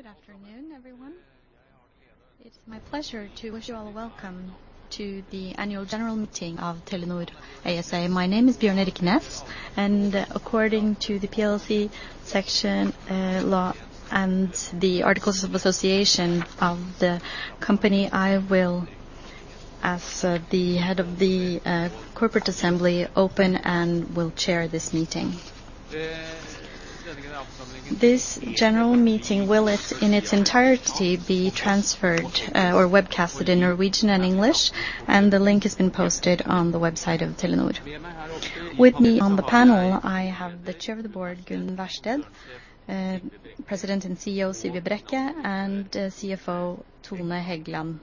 Good afternoon, everyone. It's my pleasure to wish you all welcome to the annual general meeting of Telenor ASA. My name is Bjørn Erik Næss, and according to the PLC Law and the articles of association of the company, I will, as the Head of the Corporate Assembly, open and will chair this meeting. This general meeting will, in its entirety, be transferred or webcasted in Norwegian and English, and the link has been posted on the website of Telenor. With me on the panel, I have the Chair of the Board, Gunn Wærsted, President and CEO, Sigve Brekke, and CFO, Tone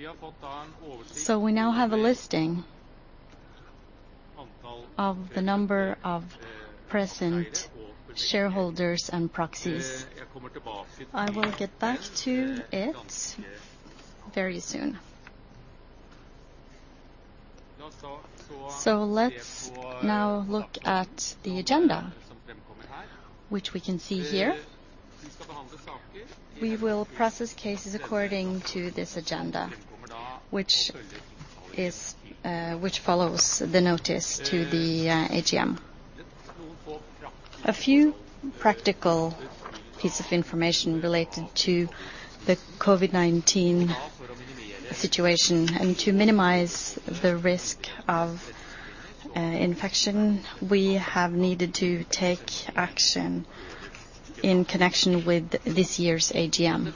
Hegland Bachke. We now have a listing of the number of present shareholders and proxies. I will get back to it very soon. Let's now look at the agenda, which we can see here. We will process cases according to this agenda, which follows the notice to the AGM. A few practical pieces of information related to the COVID-19 situation, and to minimize the risk of infection, we have needed to take action in connection with this year's AGM.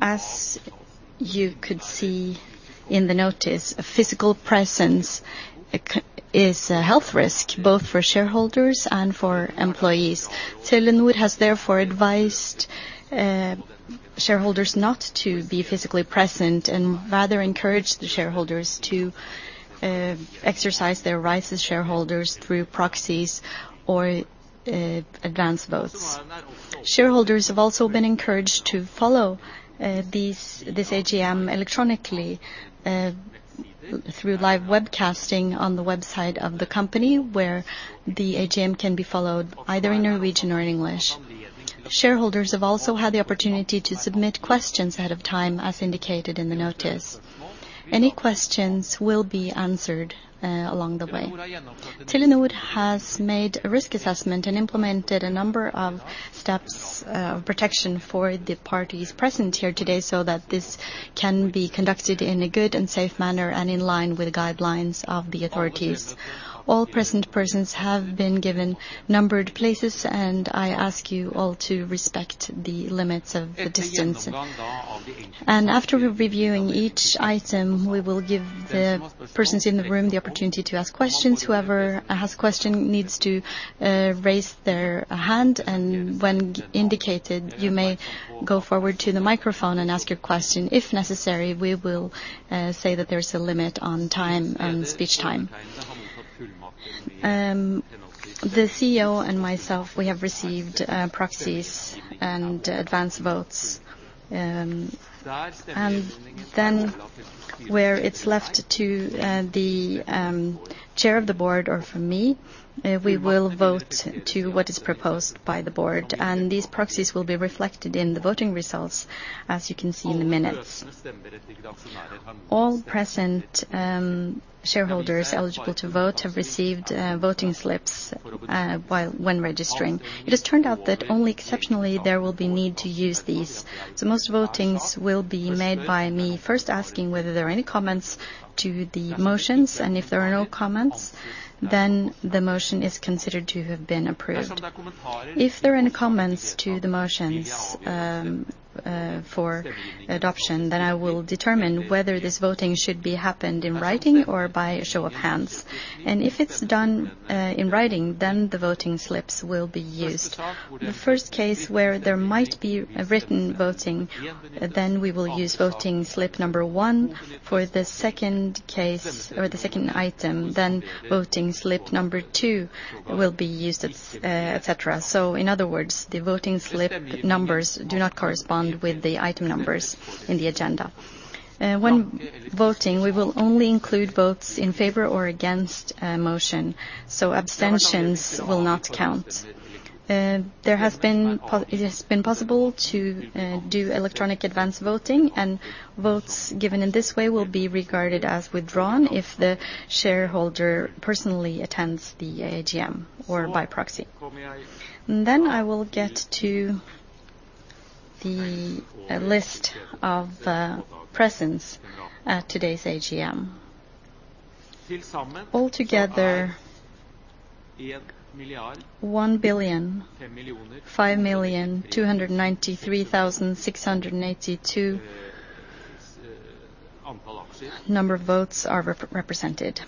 As you could see in the notice, a physical presence is a health risk, both for shareholders and for employees. Telenor has therefore advised shareholders not to be physically present and rather encourage the shareholders to exercise their rights as shareholders through proxies or advance votes. Shareholders have also been encouraged to follow this AGM electronically through live webcasting on the website of the company, where the AGM can be followed either in Norwegian or in English. Shareholders have also had the opportunity to submit questions ahead of time, as indicated in the notice. Any questions will be answered along the way. Telenor has made a risk assessment and implemented a number of steps of protection for the parties present here today so that this can be conducted in a good and safe manner and in line with the guidelines of the authorities. All present persons have been given numbered places, I ask you all to respect the limits of the distance. After reviewing each item, we will give the persons in the room the opportunity to ask questions. Whoever has a question needs to raise their hand, when indicated, you may go forward to the microphone and ask your question. If necessary, we will say that there's a limit on speech time. The CEO and myself, we have received proxies and advance votes. Where it's left to the chair of the board or for me, we will vote to what is proposed by the board, and these proxies will be reflected in the voting results, as you can see in the minutes. All present shareholders eligible to vote have received voting slips when registering. It has turned out that only exceptionally there will be need to use these. Most votings will be made by me first asking whether there are any comments to the motions, and if there are no comments, then the motion is considered to have been approved. If there are any comments to the motions for adoption, then I will determine whether this voting should be happened in writing or by a show of hands. If it's done in writing, then the voting slips will be used. The first case where there might be a written voting, then we will use voting slip number one. For the second case or the second item, voting slip number two will be used, et cetera. In other words, the voting slip numbers do not correspond with the item numbers in the agenda. When voting, we will only include votes in favor or against a motion, so abstentions will not count. It has been possible to do electronic advance voting, and votes given in this way will be regarded as withdrawn if the shareholder personally attends the AGM or by proxy. I will get to the list of the presence at today's AGM. Altogether, 1,005,293,682 number of votes are represented.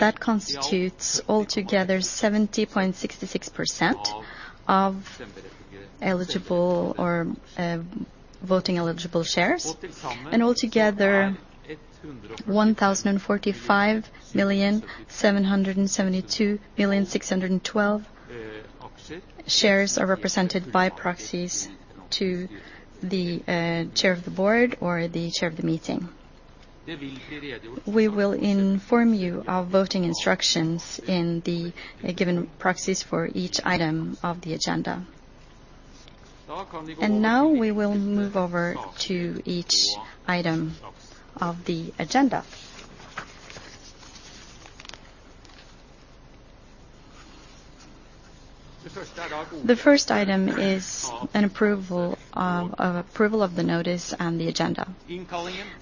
That constitutes altogether 70.66% of voting-eligible shares, and altogether 1,045,772,612 shares are represented by proxies to the Chair of the Board or the Chair of the Meeting. We will inform you of voting instructions in the given proxies for each item of the agenda. Now we will move over to each item of the agenda. The first item is an approval of the notice and the agenda.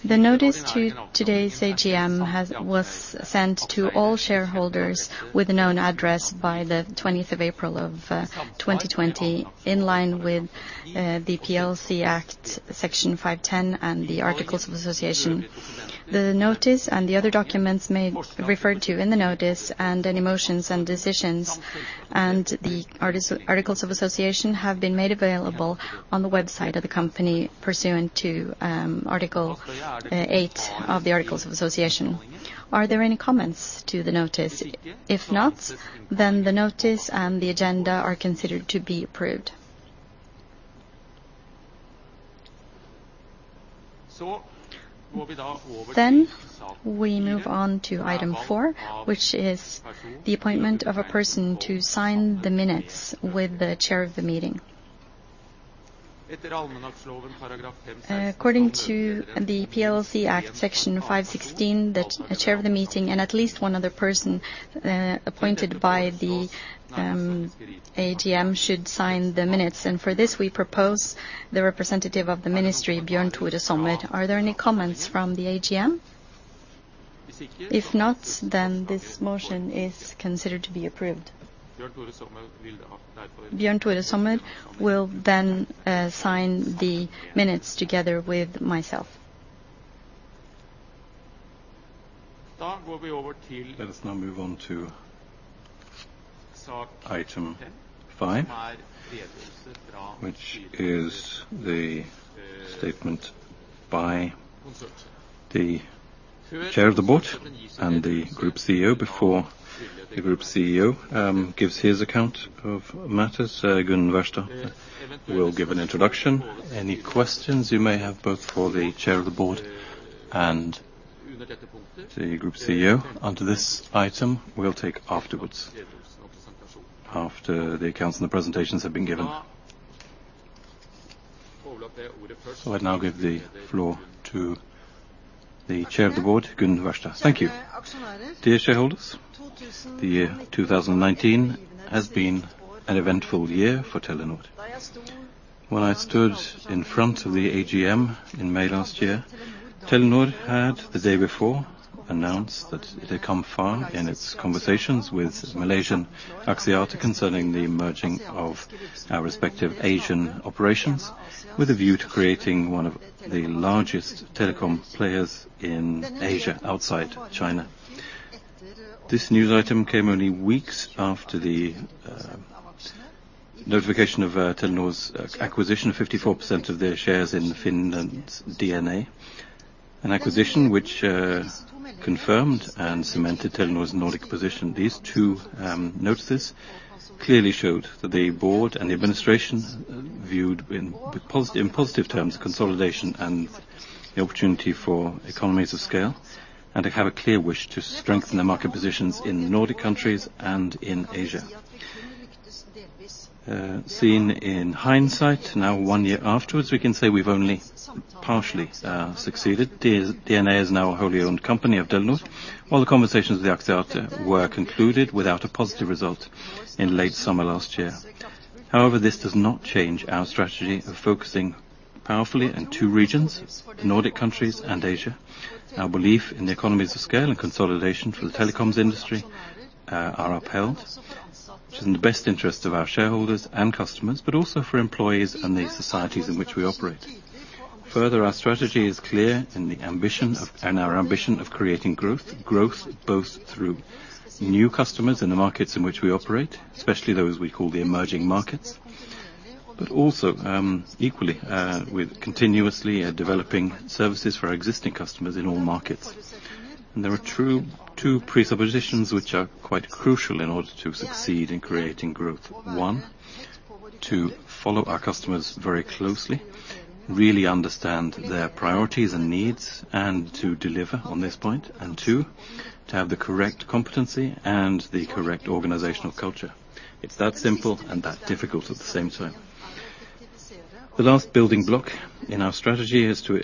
The notice to today's AGM was sent to all shareholders with a known address by the 20th April 2020, in line with the PLC Act, Section 510 and the Articles of Association. The notice and the other documents referred to in the notice and any motions and decisions and the Articles of Association have been made available on the website of the company pursuant to Section 8 of the Articles of Association. Are there any comments to the notice? If not, then the notice and the agenda are considered to be approved. We move on to item four, which is the appointment of a person to sign the minutes with the chair of the meeting. According to the PLC Act, Section 516, the chair of the meeting and at least one other person appointed by the AGM should sign the minutes. For this, we propose the representative of the Ministry, Bjørn Tore Sommer. Are there any comments from the AGM? If not, this motion is considered to be approved. Bjørn Tore Sommer will sign the minutes together with myself. Let us now move on to item five, which is the statement by the Chair of the Board and the Group CEO. Before the Group CEO gives his account of matters, Gunn Wærsted will give an introduction. Any questions you may have, both for the Chair of the Board and the Group CEO under this item, we'll take afterwards, after the accounts and the presentations have been given. I now give the floor to the Chair of the Board, Gunn Wærsted. Thank you. Dear shareholders, the year 2019 has been an eventful year for Telenor. When I stood in front of the AGM in May last year, Telenor had, the day before, announced that it had come far in its conversations with Malaysian Axiata concerning the merging of our respective Asian operations with a view to creating one of the largest telecom players in Asia, outside China. This news item came only weeks after the notification of Telenor's acquisition of 54% of their shares in Finland's DNA, an acquisition which confirmed and cemented Telenor's Nordic position. These two notices clearly showed that the board and the administration viewed, in positive terms, consolidation and the opportunity for economies of scale, and have a clear wish to strengthen the market positions in the Nordic countries and in Asia. Seen in hindsight, now one year afterwards, we can say we've only partially succeeded. DNA is now a wholly owned company of Telenor, while the conversations with Axiata were concluded without a positive result in late summer last year. However, this does not change our strategy of focusing powerfully in two regions, the Nordic countries and Asia. Our belief in the economies of scale and consolidation for the telecoms industry are upheld. It is in the best interest of our shareholders and customers, but also for employees and the societies in which we operate. Further, our strategy is clear, and our ambition of creating growth both through new customers in the markets in which we operate, especially those we call the emerging markets, but also, equally, with continuously developing services for our existing customers in all markets. There are two presuppositions which are quite crucial in order to succeed in creating growth. One, to follow our customers very closely, really understand their priorities and needs, and to deliver on this point. Two, to have the correct competency and the correct organizational culture. It's that simple and that difficult at the same time. The last building block in our strategy is to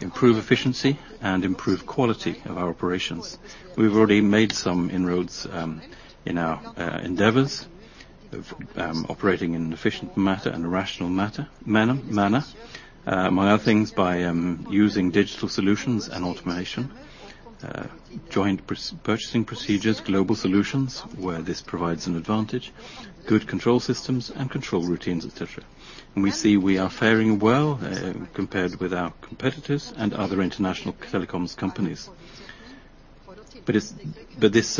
improve efficiency and improve quality of our operations. We've already made some inroads in our endeavors of operating in an efficient manner and a rational manner. Among other things, by using digital solutions and automation, joint purchasing procedures, global solutions where this provides an advantage, good control systems, and control routines, et cetera. We see we are fairing well compared with our competitors and other international telecoms companies. This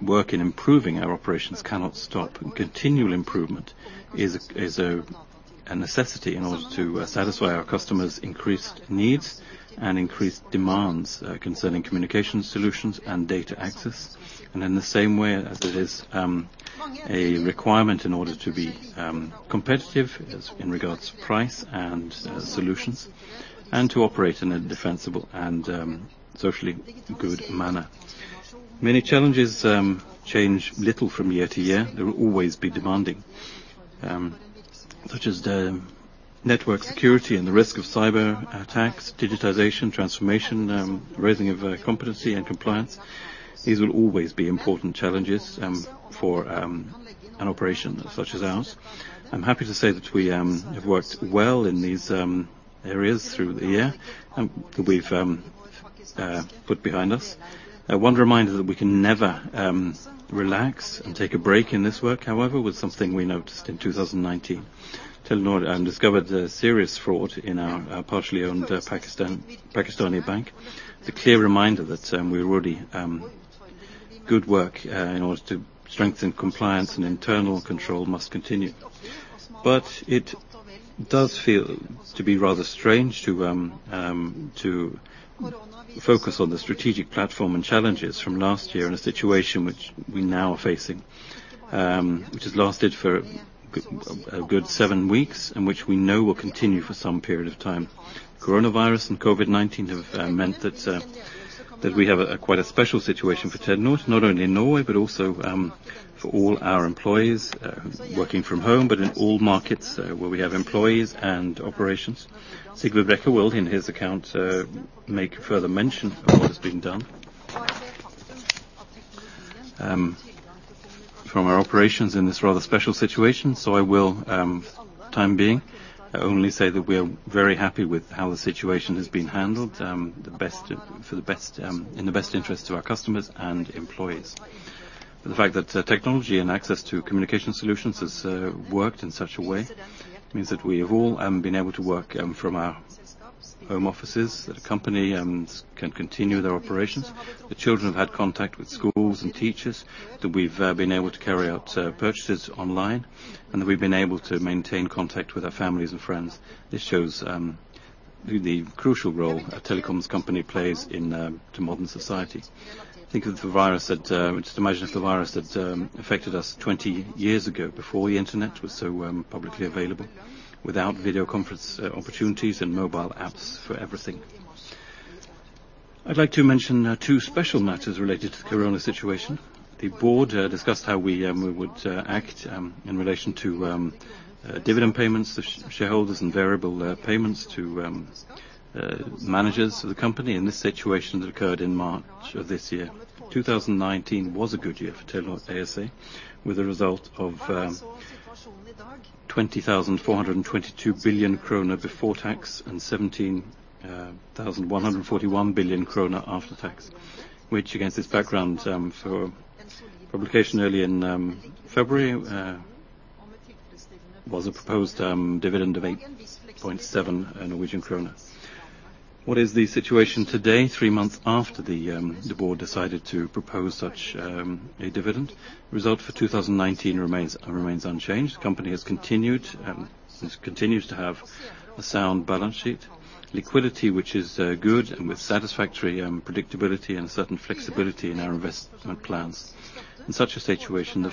work in improving our operations cannot stop. Continual improvement. is a necessity in order to satisfy our customers' increased needs and increased demands concerning communication solutions and data access. In the same way as it is a requirement in order to be competitive in regards to price and solutions and to operate in a defensible and socially good manner. Many challenges change little from year-to-year. They will always be demanding. Such as the network security and the risk of cyberattacks, digitization, transformation, raising of competency and compliance. These will always be important challenges for an operation such as ours. I'm happy to say that we have worked well in these areas through the year, that we've put behind us. One reminder that we can never relax and take a break in this work, however, was something we noticed in 2019. Telenor discovered a serious fraud in our partially owned Pakistani bank. It's a clear reminder that good work in order to strengthen compliance and internal control must continue. It does feel to be rather strange to focus on the strategic platform and challenges from last year in a situation which we now are facing, which has lasted for a good seven weeks, and which we know will continue for some period of time. Coronavirus and COVID-19 have meant that we have quite a special situation for Telenor, not only in Norway, but also for all our employees working from home, but in all markets where we have employees and operations. Sigve Brekke will, in his account, make further mention of what has been done from our operations in this rather special situation. I will, time being, only say that we are very happy with how the situation has been handled in the best interest of our customers and employees. The fact that technology and access to communication solutions has worked in such a way means that we have all been able to work from our home offices, that a company can continue their operations, that children have had contact with schools and teachers, that we've been able to carry out purchases online, and that we've been able to maintain contact with our families and friends. This shows the crucial role a telecoms company plays to modern society. Just imagine if the virus had affected us 20 years ago, before the internet was so publicly available, without video conference opportunities and mobile apps for everything. I'd like to mention now two special matters related to the corona situation. The board discussed how we would act in relation to dividend payments to shareholders and variable payments to managers of the company in this situation that occurred in March of this year. 2019 was a good year for Telenor ASA, with a result of 20,422 billion krone before tax and 17,141 billion krone after tax, which against this background for publication early in February, was a proposed dividend of 8.7 Norwegian krone. What is the situation today, three months after the board decided to propose such a dividend? The result for 2019 remains unchanged. The company continues to have a sound balance sheet, liquidity which is good and with satisfactory predictability and a certain flexibility in our investment plans. In such a situation,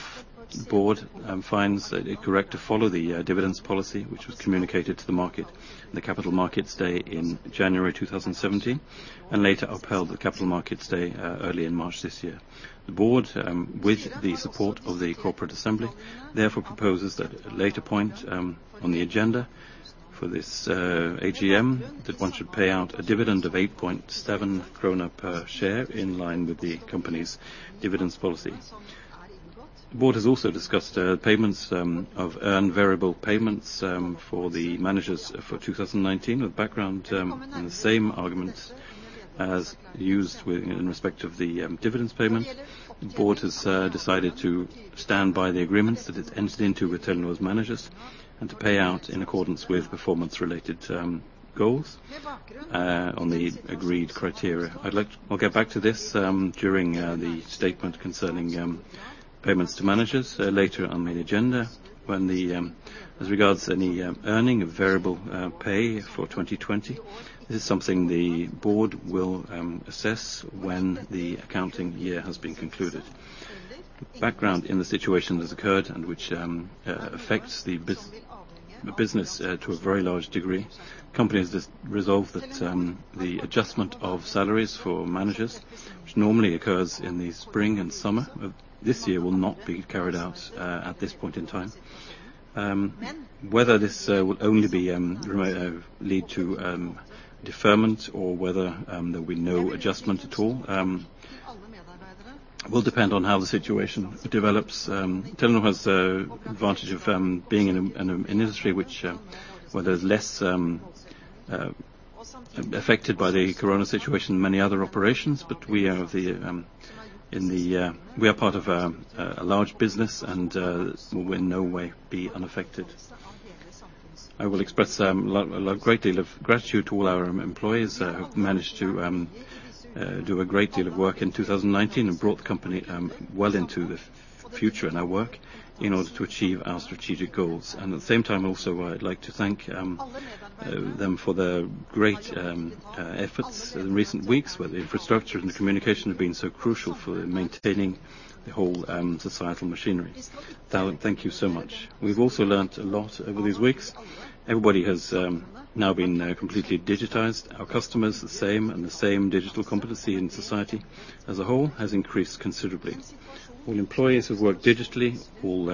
the board finds it correct to follow the dividends policy, which was communicated to the market on the Capital Markets Day in January 2017, and later upheld at the Capital Markets Day early in March this year. The board, with the support of the Corporate Assembly, therefore proposes that at a later point on the agenda for this AGM, that one should pay out a dividend of 8.7 krone per share in line with the company's dividends policy. The board has also discussed payments of earned variable payments for the managers for 2019. With background in the same argument as used in respect of the dividends payment, the board has decided to stand by the agreements that it's entered into with Telenor's managers and to pay out in accordance with performance-related goals on the agreed criteria. I'll get back to this during the statement concerning payments to managers later on in the agenda. As regards any earning of variable pay for 2020, this is something the board will assess when the accounting year has been concluded. With background in the situation that has occurred and which affects the business to a very large degree, the company has resolved that the adjustment of salaries for managers, which normally occurs in the spring and summer, this year will not be carried out at this point in time. Whether this will only lead to deferment or whether there'll be no adjustment at all will depend on how the situation develops. Telenor has the advantage of being in an industry where there's less affected by the corona situation than many other operations. We are part of a large business, and we will in no way be unaffected. I will express a great deal of gratitude to all our employees, who have managed to do a great deal of work in 2019 and brought the company well into the future in our work in order to achieve our strategic goals. At the same time also, I'd like to thank them for the great efforts in recent weeks, where the infrastructure and the communication have been so crucial for maintaining the whole societal machinery. Thank you so much. We've also learned a lot over these weeks. Everybody has now been completely digitized. Our customers the same, the same digital competency in society as a whole has increased considerably. All employees have worked digitally. All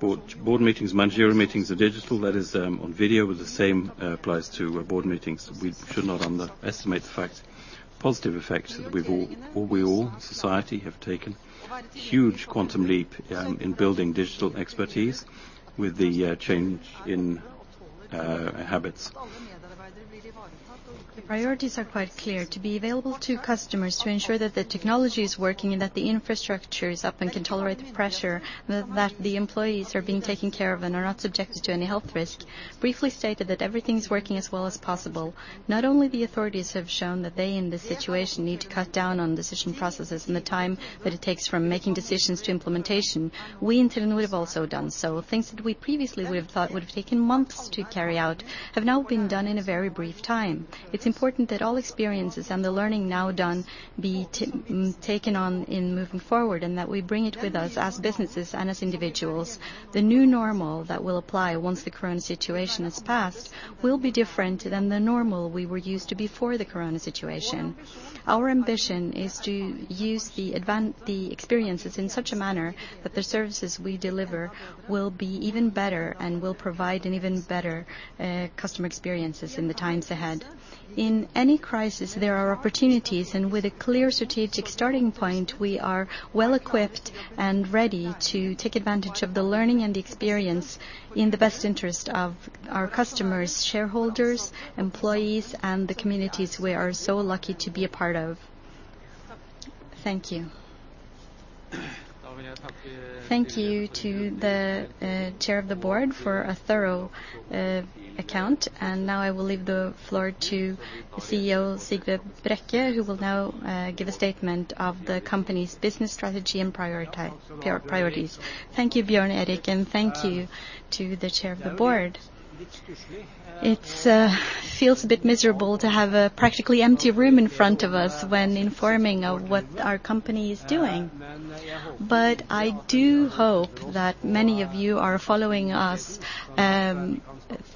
board meetings, managerial meetings are digital. That is, on video, with the same applies to board meetings. We should not underestimate the positive effect that we all, society, have taken a huge quantum leap in building digital expertise with the change in habits. Priorities are quite clear. To be available to customers, to ensure that the technology is working and that the infrastructure is up and can tolerate the pressure, and that the employees are being taken care of and are not subjected to any health risk. Briefly stated, that everything's working as well as possible. Not only the authorities have shown that they in this situation need to cut down on decision processes and the time that it takes from making decisions to implementation. We in Telenor have also done so. Things that we previously would have thought would have taken months to carry out, have now been done in a very brief time. It's important that all experiences and the learning now done be taken on in moving forward, and that we bring it with us as businesses and as individuals. The new normal that will apply once the current situation has passed will be different than the normal we were used to before the coronavirus situation. Our ambition is to use the experiences in such a manner that the services we deliver will be even better and will provide an even better customer experiences in the times ahead. In any crisis, there are opportunities, with a clear strategic starting point, we are well-equipped and ready to take advantage of the learning and the experience in the best interest of our customers, shareholders, employees, and the communities we are so lucky to be a part of. Thank you. Thank you to the Chair of the Board for a thorough account. Now I will leave the floor to CEO Sigve Brekke, who will now give a statement of the company's business strategy and priorities. Thank you, Bjørn Erik, and thank you to the chair of the board. It feels a bit miserable to have a practically empty room in front of us when informing of what our company is doing. I do hope that many of you are following us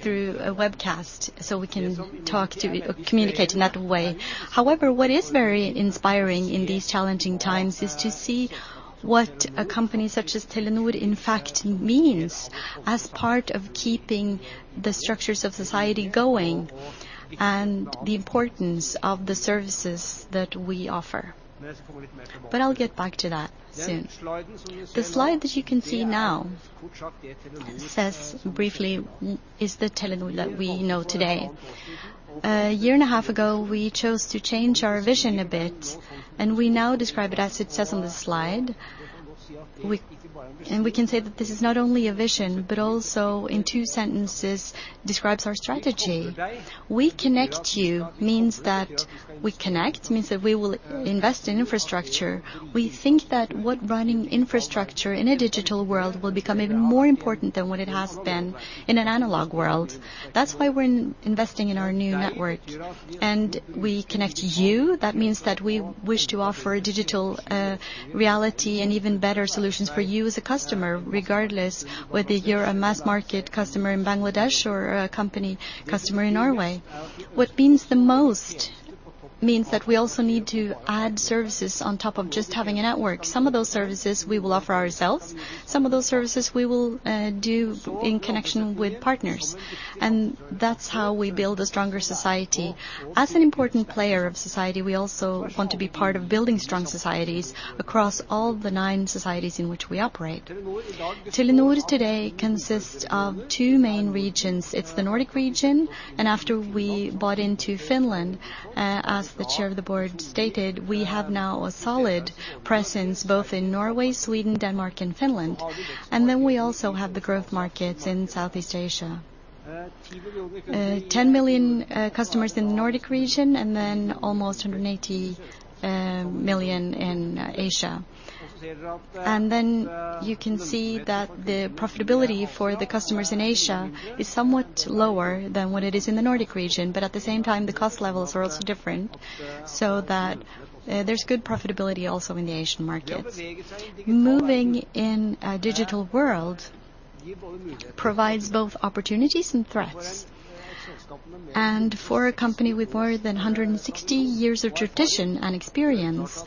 through a webcast, so we can communicate in that way. What is very inspiring in these challenging times is to see what a company such as Telenor in fact means as part of keeping the structures of society going, and the importance of the services that we offer. I'll get back to that soon. The slide that you can see now says briefly is the Telenor that we know today. A year and a half ago, we chose to change our vision a bit, and we now describe it as it says on the slide. We can say that this is not only a vision, but also in two sentences describes our strategy. We connect you means that we will invest in infrastructure. We think that running infrastructure in a digital world will become even more important than what it has been in an analog world. That's why we're investing in our new network. We connect you, that means that we wish to offer a digital reality and even better solutions for you as a customer, regardless whether you're a mass market customer in Bangladesh or a company customer in Norway. What means the most means that we also need to add services on top of just having a network. Some of those services we will offer ourselves, some of those services we will do in connection with partners. That's how we build a stronger society. As an important player of society, we also want to be part of building strong societies across all the nine societies in which we operate. Telenor today consists of two main regions. It's the Nordic region, and after we bought into Finland, as the Chair of the Board stated, we have now a solid presence both in Norway, Sweden, Denmark, and Finland. Then we also have the growth markets in Southeast Asia. 10 million customers in the Nordic region, and then almost 180 million in Asia. Then you can see that the profitability for the customers in Asia is somewhat lower than what it is in the Nordic region. At the same time, the cost levels are also different, so that there's good profitability also in the Asian markets. Moving in a digital world provides both opportunities and threats. For a company with more than 160 years of tradition and experience,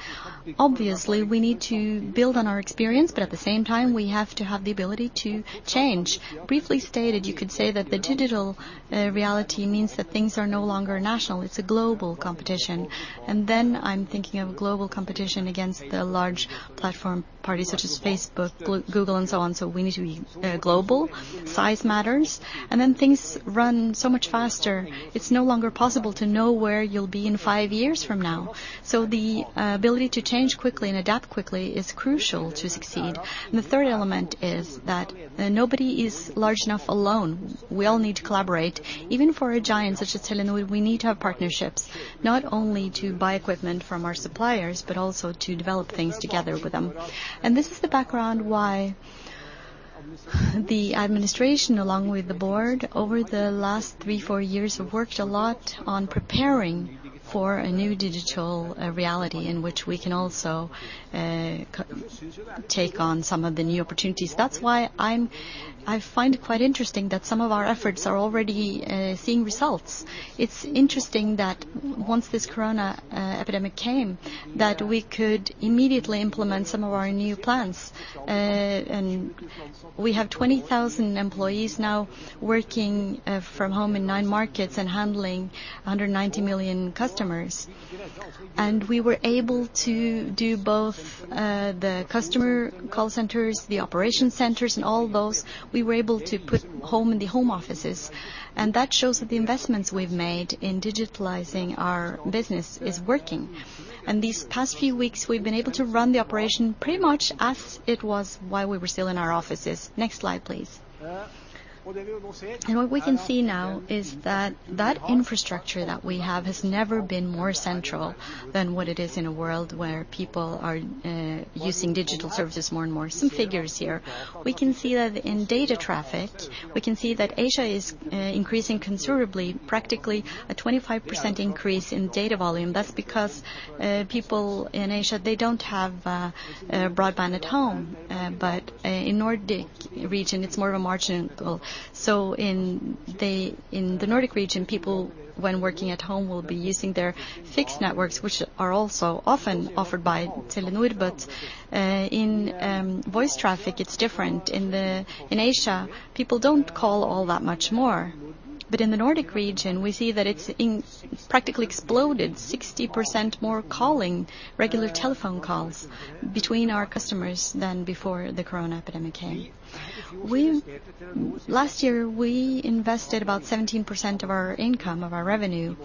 obviously, we need to build on our experience. At the same time, we have to have the ability to change. Briefly stated, you could say that the digital reality means that things are no longer national. It's a global competition. Then I'm thinking of a global competition against the large platform parties such as Facebook, Google, and so on. We need to be global. Size matters. Then things run so much faster. It's no longer possible to know where you'll be in five years from now. The ability to change quickly and adapt quickly is crucial to succeed. The third element is that nobody is large enough alone. We all need to collaborate. Even for a giant such as Telenor, we need to have partnerships, not only to buy equipment from our suppliers, but also to develop things together with them. This is the background why the administration, along with the board, over the last three, four years have worked a lot on preparing for a new digital reality in which we can also take on some of the new opportunities. That's why I find it quite interesting that some of our efforts are already seeing results. It's interesting that once this corona epidemic came, that we could immediately implement some of our new plans. We have 20,000 employees now working from home in nine markets and handling 190 million customers. We were able to do both the customer call centers, the operation centers, and all those, we were able to put home in the home offices. That shows that the investments we've made in digitalizing our business is working. These past few weeks we've been able to run the operation pretty much as it was while we were still in our offices. Next slide, please. What we can see now is that that infrastructure that we have has never been more central than what it is in a world where people are using digital services more and more. Some figures here. We can see that in data traffic, we can see that Asia is increasing considerably, practically a 25% increase in data volume. That's because people in Asia, they don't have broadband at home. In Nordic region, it's more of a marginal. In the Nordic region, people when working at home will be using their fixed networks, which are also often offered by Telenor, but in voice traffic, it's different. In Asia, people don't call all that much more. In the Nordic region, we see that it's practically exploded, 60% more calling, regular telephone calls between our customers than before the corona epidemic came. Last year, we invested about 17% of our income, of our revenue,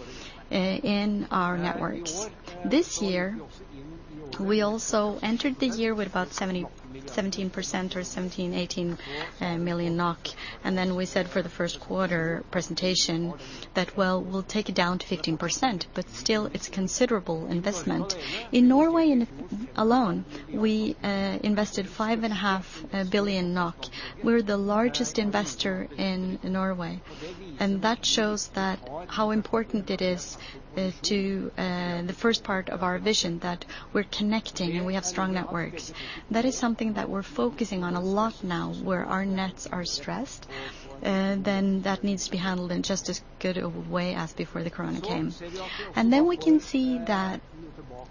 in our networks. This year, we also entered the year with about 17% or 17, 18 million, and then we said for the first quarter presentation that, well, we'll take it down to 15%, but still it's a considerable investment. In Norway alone, we invested 5.5 billion NOK. We're the largest investor in Norway, and that shows how important it is to the first part of our vision that we're connecting, and we have strong networks. That is something that we're focusing on a lot now, where our nets are stressed, then that needs to be handled in just as good a way as before the corona came. We can see that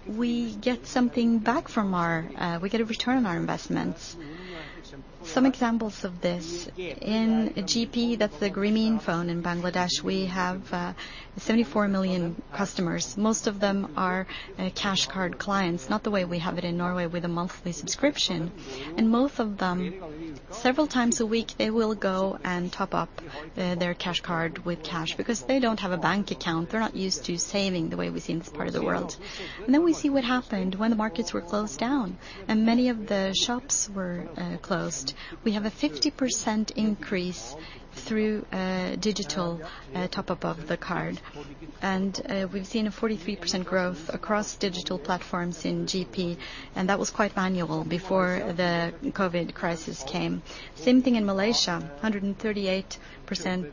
we get a return on our investments. Some examples of this. In Grameenphone, that's the Grameenphone in Bangladesh, we have 74 million customers. Most of them are cash card clients, not the way we have it in Norway with a monthly subscription. Most of them, several times a week, they will go and top up their cash card with cash because they don't have a bank account. They're not used to saving the way we see in this part of the world. We see what happened when the markets were closed down, and many of the shops were closed. We have a 50% increase through digital top-up of the card. We've seen a 43% growth across digital platforms in Grameenphone, and that was quite manual before the COVID crisis came. Same thing in Malaysia, 138%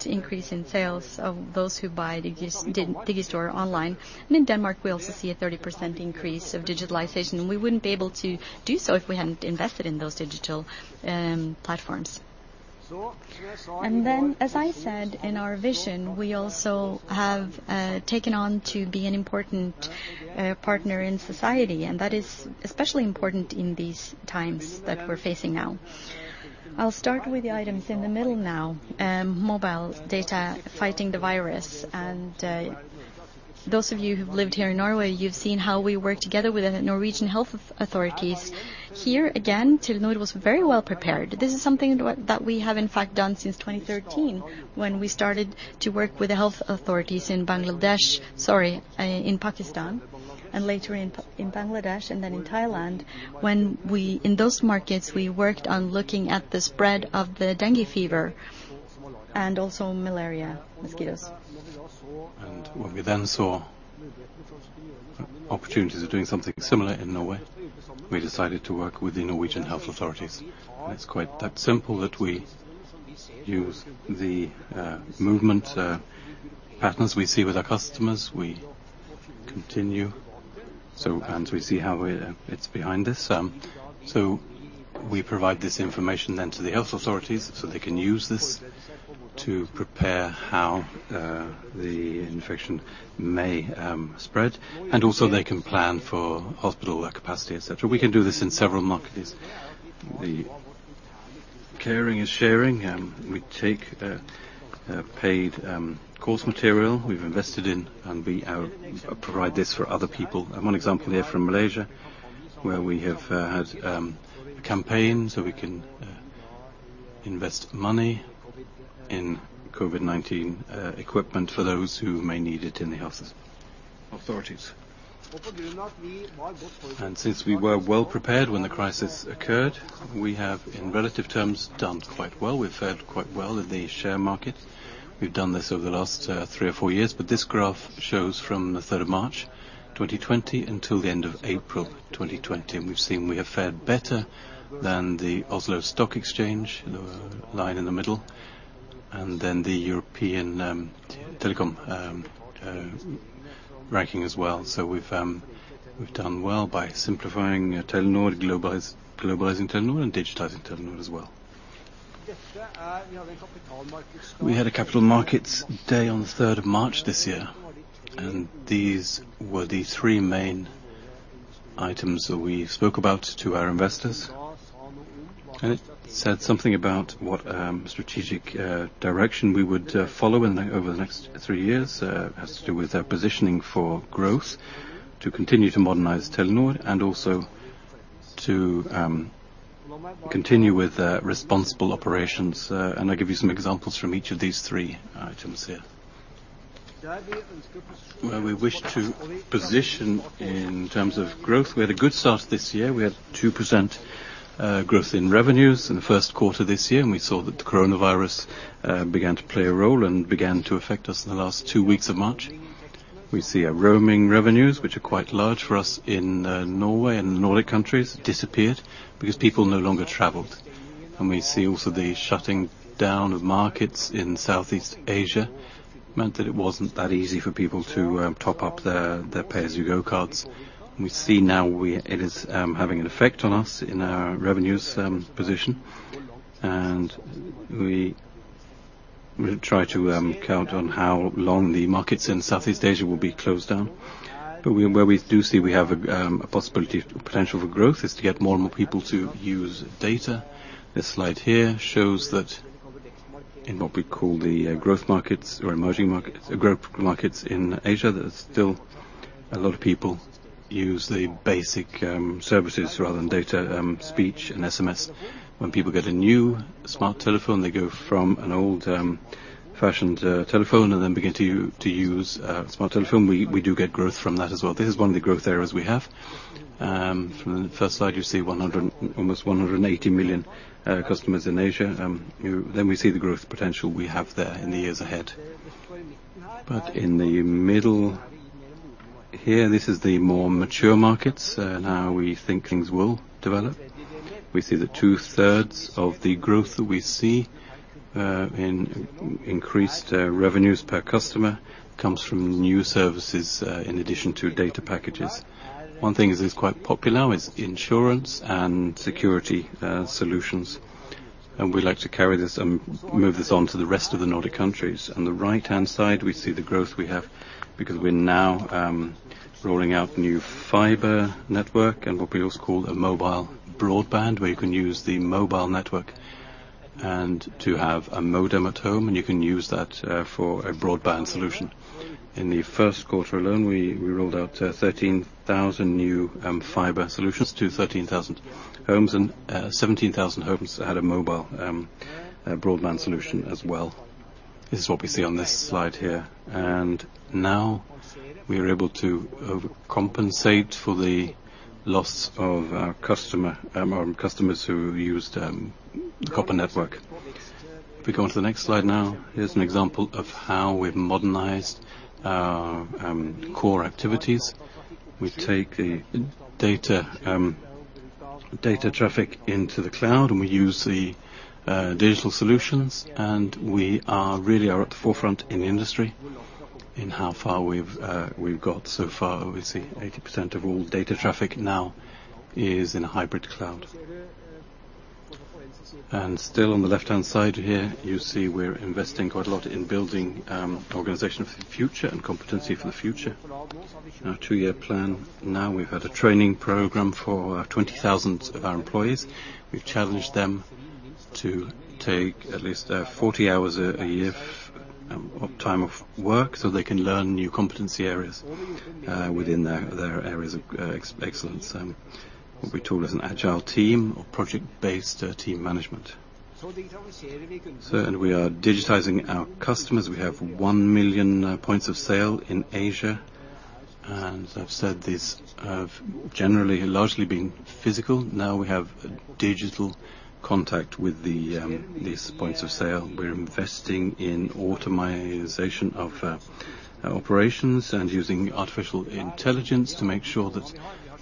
increase in sales of those who buy Digi online. In Denmark, we also see a 30% increase of digitalization, and we wouldn't be able to do so if we hadn't invested in those digital platforms. Then, as I said, in our vision, we also have taken on to be an important partner in society, and that is especially important in these times that we're facing now. I'll start with the items in the middle now. Mobile data, fighting the virus. Those of you who've lived here in Norway, you've seen how we work together with the Norwegian health authorities. Here again, Telenor was very well prepared. This is something that we have in fact done since 2013, when we started to work with the health authorities in Pakistan, and later in Bangladesh, and then in Thailand, when in those markets, we worked on looking at the spread of the dengue fever, and also malaria mosquitoes. When we then saw opportunities of doing something similar in Norway, we decided to work with the Norwegian health authorities. It's quite that simple that we use the movement patterns we see with our customers. We continue. Plans, we see how it's behind this. We provide this information then to the health authorities, so they can use this to prepare how the infection may spread, and also they can plan for hospital capacity, et cetera. We can do this in several markets. The caring is sharing. We take paid course material we've invested in, and we provide this for other people. One example here from Malaysia, where we have had a campaign so we can invest money in COVID-19 equipment for those who may need it in the health authorities. Since we were well prepared when the crisis occurred, we have, in relative terms, done quite well. We've fared quite well in the share market. We've done this over the last three or four years, but this graph shows from the 3rd March, 2020 until the end of April 2020. We've seen we have fared better than the Oslo Stock Exchange, the line in the middle. The European Telecom ranking as well. We've done well by simplifying Telenor, globalizing Telenor, and digitizing Telenor as well. We had a Capital Markets Day on the 3rd March this year, and these were the three main items that we spoke about to our investors. It said something about what strategic direction we would follow over the next three years. It has to do with our positioning for growth, to continue to modernize Telenor, and also to continue with responsible operations. I'll give you some examples from each of these three items here. Where we wish to position in terms of growth, we had a good start this year. We had 2% growth in revenues in the first quarter this year, and we saw that the coronavirus began to play a role and began to affect us in the last two weeks of March. We see our roaming revenues, which are quite large for us in Norway and the Nordic countries, disappeared because people no longer traveled. We see also the shutting down of markets in Southeast Asia meant that it wasn't that easy for people to top up their pay-as-you-go cards. We see now it is having an effect on us in our revenues position, and we will try to count on how long the markets in Southeast Asia will be closed down. Where we do see we have a possibility, potential for growth is to get more and more people to use data. This slide here shows that in what we call the growth markets or emerging markets, growth markets in Asia, there's still a lot of people use the basic services rather than data, speech, and SMS. When people get a new smart telephone, they go from an old-fashioned telephone and then begin to use a smart telephone. We do get growth from that as well. This is one of the growth areas we have. From the first slide, you see almost 180 million customers in Asia. We see the growth potential we have there in the years ahead. In the middle here, this is the more mature markets and how we think things will develop. We see that two-thirds of the growth that we see in increased revenues per customer comes from new services in addition to data packages. One thing that is quite popular is insurance and security solutions, and we like to carry this and move this on to the rest of the Nordic countries. On the right-hand side, we see the growth we have because we're now rolling out new fiber network and what we also call a mobile broadband, where you can use the mobile network and to have a modem at home, and you can use that for a broadband solution. In the first quarter alone, we rolled out 13,000 new fiber solutions to 13,000 homes, and 17,000 homes had a mobile broadband solution as well. This is what we see on this slide here. Now we are able to compensate for the loss of our customers who used copper network. If we go on to the next slide now, here's an example of how we've modernized our core activities. We take the data traffic into the cloud, we use the digital solutions, we are really at the forefront in the industry in how far we've got so far. We see 80% of all data traffic now is in a hybrid cloud. Still on the left-hand side here, you see we're investing quite a lot in building an organization for the future and competency for the future. In our two-year plan now, we've had a training program for 20,000 of our employees. We've challenged them to take at least 40 hours a year of time off work so they can learn new competency areas within their areas of excellence, what we call as an agile team or project-based team management. We are digitizing our customers. We have 1 million points of sale in Asia, and as I've said, these have generally largely been physical. Now we have digital contact with these points of sale. We're investing in automation of our operations and using artificial intelligence to make sure that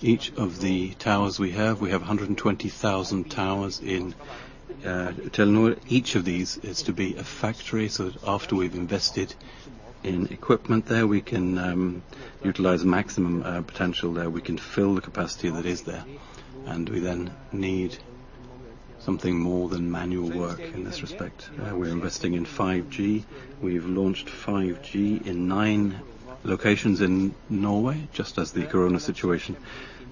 each of the towers we have, we have 120,000 towers in Telenor. Each of these is to be a factory, so that after we've invested in equipment there, we can utilize maximum potential there. We can fill the capacity that is there. We then need something more than manual work in this respect. We're investing in 5G. We've launched 5G in nine locations in Norway, just as the COVID-19 situation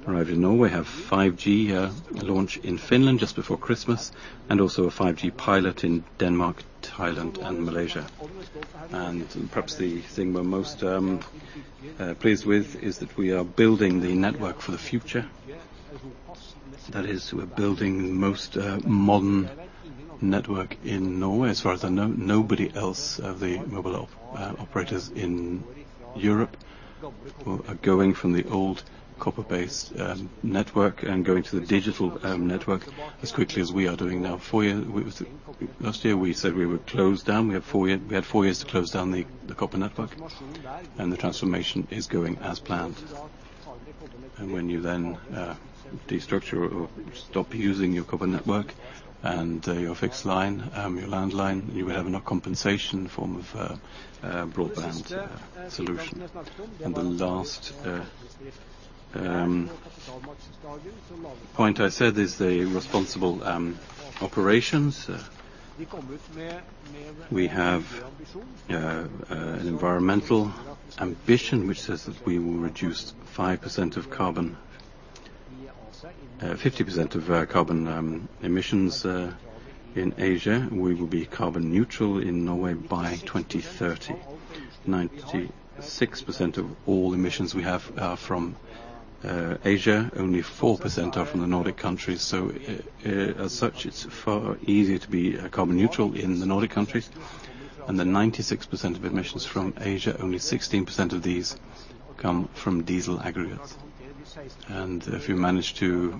arrived in Norway. We have 5G launch in Finland just before Christmas, and also a 5G pilot in Denmark, Thailand, and Malaysia. Perhaps the thing we're most pleased with is that we are building the network for the future. That is, we're building the most modern network in Norway. As far as I know, nobody else of the mobile operators in Europe are going from the old copper-based network and going to the digital network as quickly as we are doing now. Last year, we said we would close down. We had four years to close down the copper network. The transformation is going as planned. When you then destructure or stop using your copper network and your fixed line, your landline, you will have a compensation in the form of a broadband solution. The last point I said is the responsible operations. We have an environmental ambition which says that we will reduce 50% of carbon emissions in Asia. We will be carbon neutral in Norway by 2030. 96% of all emissions we have are from Asia. Only 4% are from the Nordic countries. As such, it is far easier to be carbon neutral in the Nordic countries. The 96% of emissions from Asia, only 16% of these come from diesel aggregates. If you manage to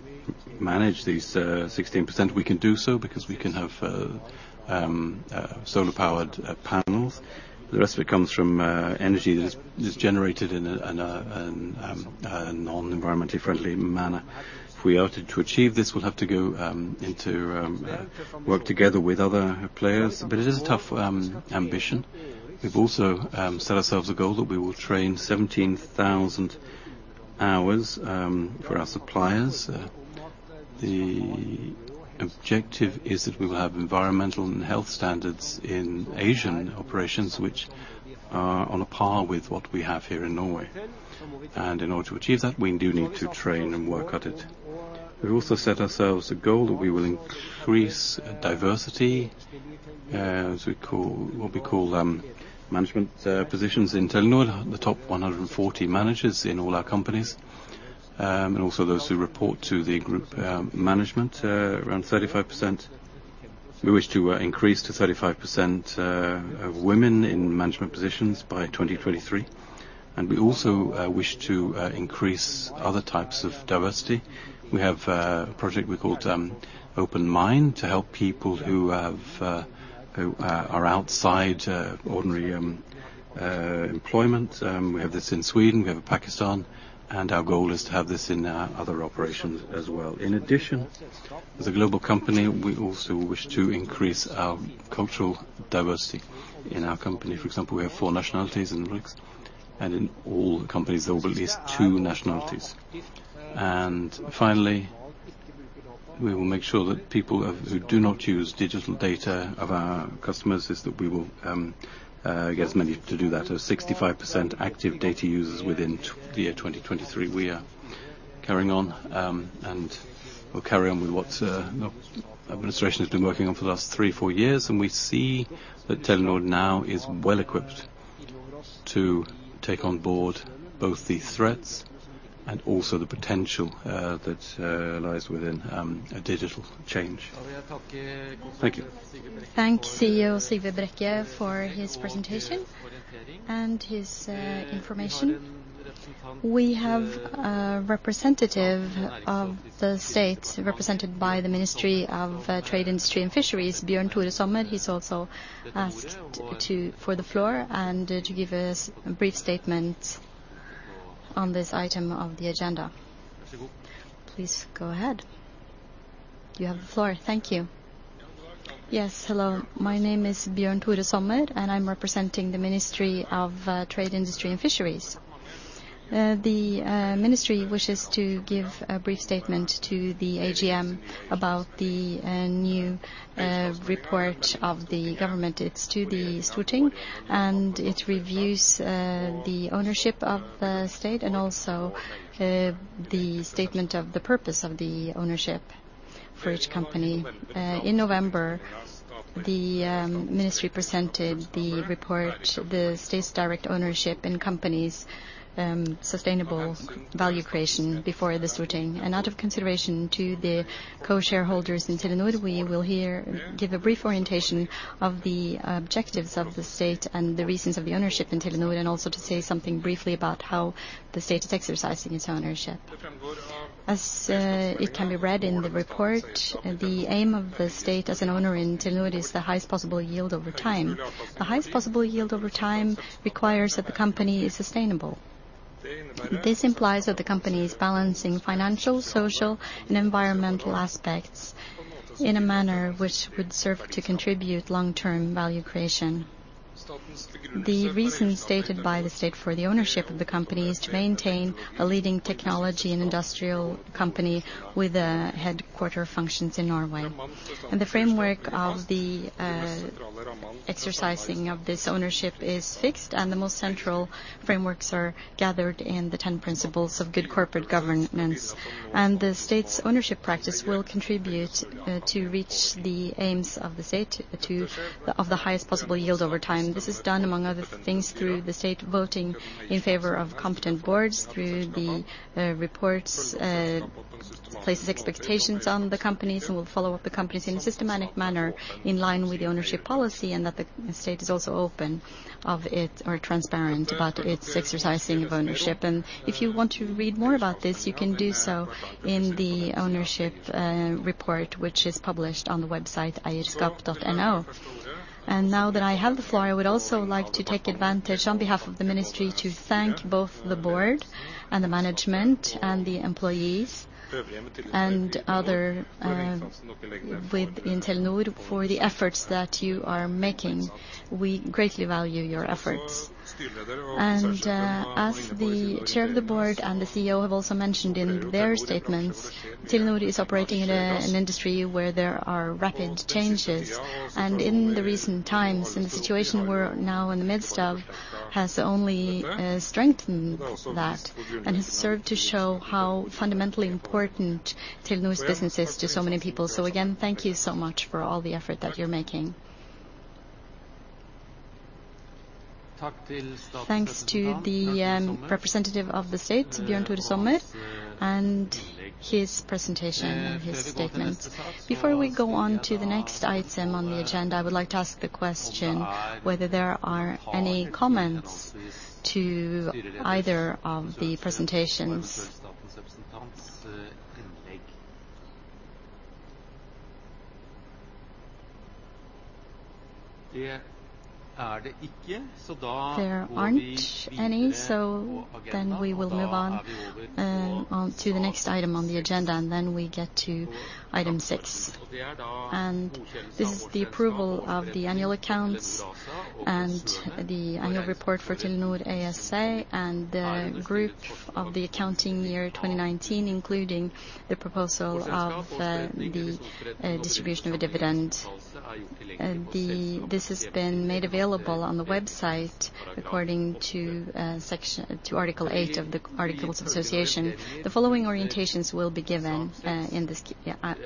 manage these 16%, we can do so because we can have solar-powered panels. The rest of it comes from energy that is just generated in a non-environmentally friendly manner. If we are to achieve this, we'll have to go into work together with other players. It is a tough ambition. We've also set ourselves a goal that we will train 17,000 hours for our suppliers. The objective is that we will have environmental and health standards in Asian operations, which are on a par with what we have here in Norway. In order to achieve that, we do need to train and work at it. We've also set ourselves a goal that we will increase diversity as what we call management positions in Telenor, the top 140 managers in all our companies, and also those who report to the group management around 35%. We wish to increase to 35% of women in management positions by 2023. We also wish to increase other types of diversity. We have a project we called Open Mind to help people who are outside ordinary employment. We have this in Sweden, we have in Pakistan, and our goal is to have this in our other operations as well. In addition, as a global company, we also wish to increase our cultural diversity in our company. For example, we have four nationalities in the GEC and in all the companies, there will be at least two nationalities. Finally, we will make sure that people who do not use digital data of our customers is that we will get as many to do that. 65% active data users within the year 2023. We are carrying on, and we'll carry on with what administration has been working on for the last three, four years, and we see that Telenor now is well-equipped to take on board both the threats and also the potential that lies within a digital change. Thank you. Thank CEO, Sigve Brekke, for his presentation and his information. We have a representative of the state represented by the Ministry of Trade, Industry and Fisheries, Bjørn Tore Sommer. He's also asked for the floor and to give us a brief statement on this item of the agenda. Please go ahead. You have the floor. Thank you. Yes. Hello. My name is Bjørn Tore Sommer, and I'm representing the Ministry of Trade, Industry and Fisheries. The Ministry wishes to give a brief statement to the AGM about the new report of the government. It's to the Storting, and it reviews the ownership of the state and also the statement of the purpose of the ownership for each company. In November, the Ministry presented the report, The State's Direct Ownership in Companies Sustainable Value Creation before the Storting. Out of consideration to the co-shareholders in Telenor, we will here give a brief orientation of the objectives of the state and the reasons of the ownership in Telenor, and also to say something briefly about how the state is exercising its ownership. As it can be read in the report, the aim of the state as an owner in Telenor is the highest possible yield over time. The highest possible yield over time requires that the company is sustainable. This implies that the company is balancing financial, social, and environmental aspects in a manner which would serve to contribute long-term value creation. The reasons stated by the state for the ownership of the company is to maintain a leading technology and industrial company with headquarter functions in Norway. The framework of the exercising of this ownership is fixed, and the most central frameworks are gathered in the 10 principles of good corporate governance. The state's ownership practice will contribute to reach the aims of the state of the highest possible yield over time. This is done, among other things, through the state voting in favor of competent boards through the reports places expectations on the companies and will follow up the companies in a systematic manner in line with the ownership policy, and that the state is also open or transparent about its exercising of ownership. If you want to read more about this, you can do so in the ownership report, which is published on the website, regjeringen.no. Now that I have the floor, I would also like to take advantage on behalf of the Ministry to thank both the board and the management and the employees and other within Telenor for the efforts that you are making. We greatly value your efforts. As the chair of the board and the CEO have also mentioned in their statements, Telenor is operating in an industry where there are rapid changes. In the recent times, the situation we're now in the midst of has only strengthened that and has served to show how fundamentally important Telenor's business is to so many people. Again, thank you so much for all the effort that you're making. Thanks to the representative of the state, Bjørn Tore Sommer, and his presentation and his statement. Before we go on to the next item on the agenda, I would like to ask the question whether there are any comments to either of the presentations. There aren't any. We will move on to the next item on the agenda. We get to item six. This is the approval of the annual accounts and the annual report for Telenor ASA and the group of the accounting year 2019, including the proposal of the distribution of the dividend. This has been made available on the website according to Article 8 of the Articles of Association. The following orientations will be given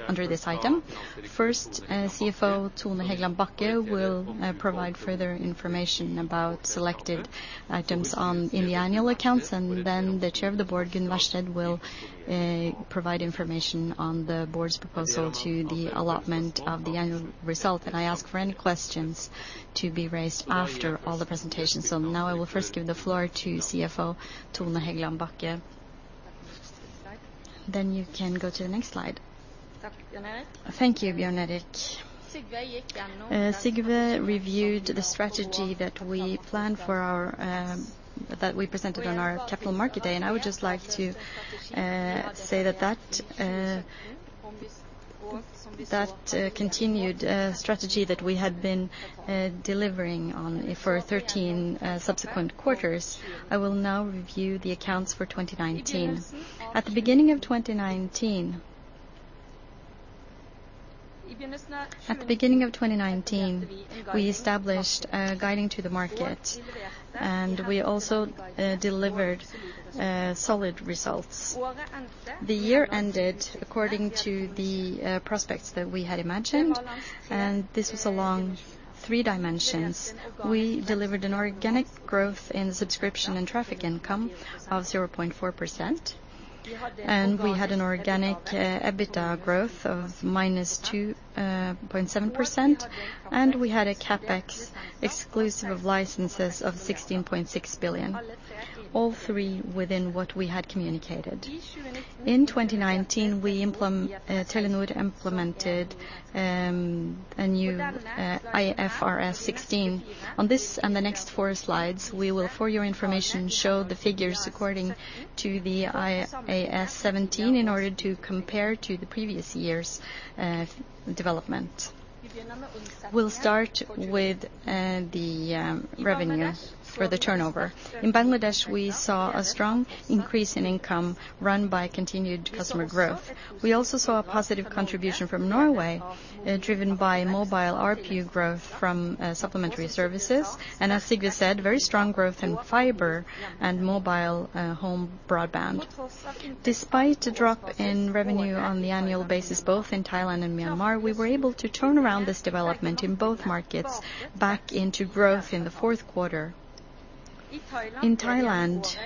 under this item. First, CFO Tone Hegland Bachke will provide further information about selected items in the annual accounts. The Chair of the Board, Gunn Wærsted, will provide information on the board's proposal to the allotment of the annual result. I ask for any questions to be raised after all the presentations. Now I will first give the floor to CFO Tone Hegland Bachke. You can go to the next slide. Thank you, Bjørn Erik. Sigve reviewed the strategy that we presented on our Capital Markets Day, and I would just like to say that that continued strategy that we had been delivering on for 13 subsequent quarters. I will now review the accounts for 2019. At the beginning of 2019, we established a guiding to the market, and we also delivered solid results. The year ended according to the prospects that we had imagined, and this was along three dimensions. We delivered an organic growth in subscription and traffic income of 0.4%, and we had an organic EBITDA growth -2.7%, and we had a CapEx exclusive of licenses of 16.6 billion. All three within what we had communicated. In 2019, Telenor implemented a new IFRS 16. On this and the next four slides, we will, for your information, show the figures according to the IAS 17 in order to compare to the previous year's development. We'll start with the revenue for the turnover. In Bangladesh, we saw a strong increase in income run by continued customer growth. We also saw a positive contribution from Norway, driven by mobile ARPU growth from supplementary services, and as Sigve said, very strong growth in fiber and mobile home broadband. Despite a drop in revenue on the annual basis both in Thailand and Myanmar, we were able to turn around this development in both markets back into growth in the fourth quarter. In Thailand,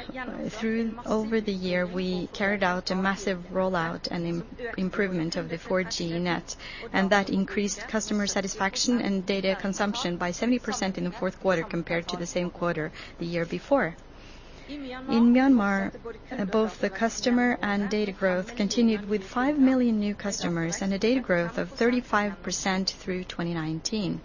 over the year, we carried out a massive rollout and improvement of the 4G net, and that increased customer satisfaction and data consumption by 70% in the fourth quarter compared to the same quarter the year before. In Myanmar, both the customer and data growth continued with 5 million new customers and a data growth 35% through 2019.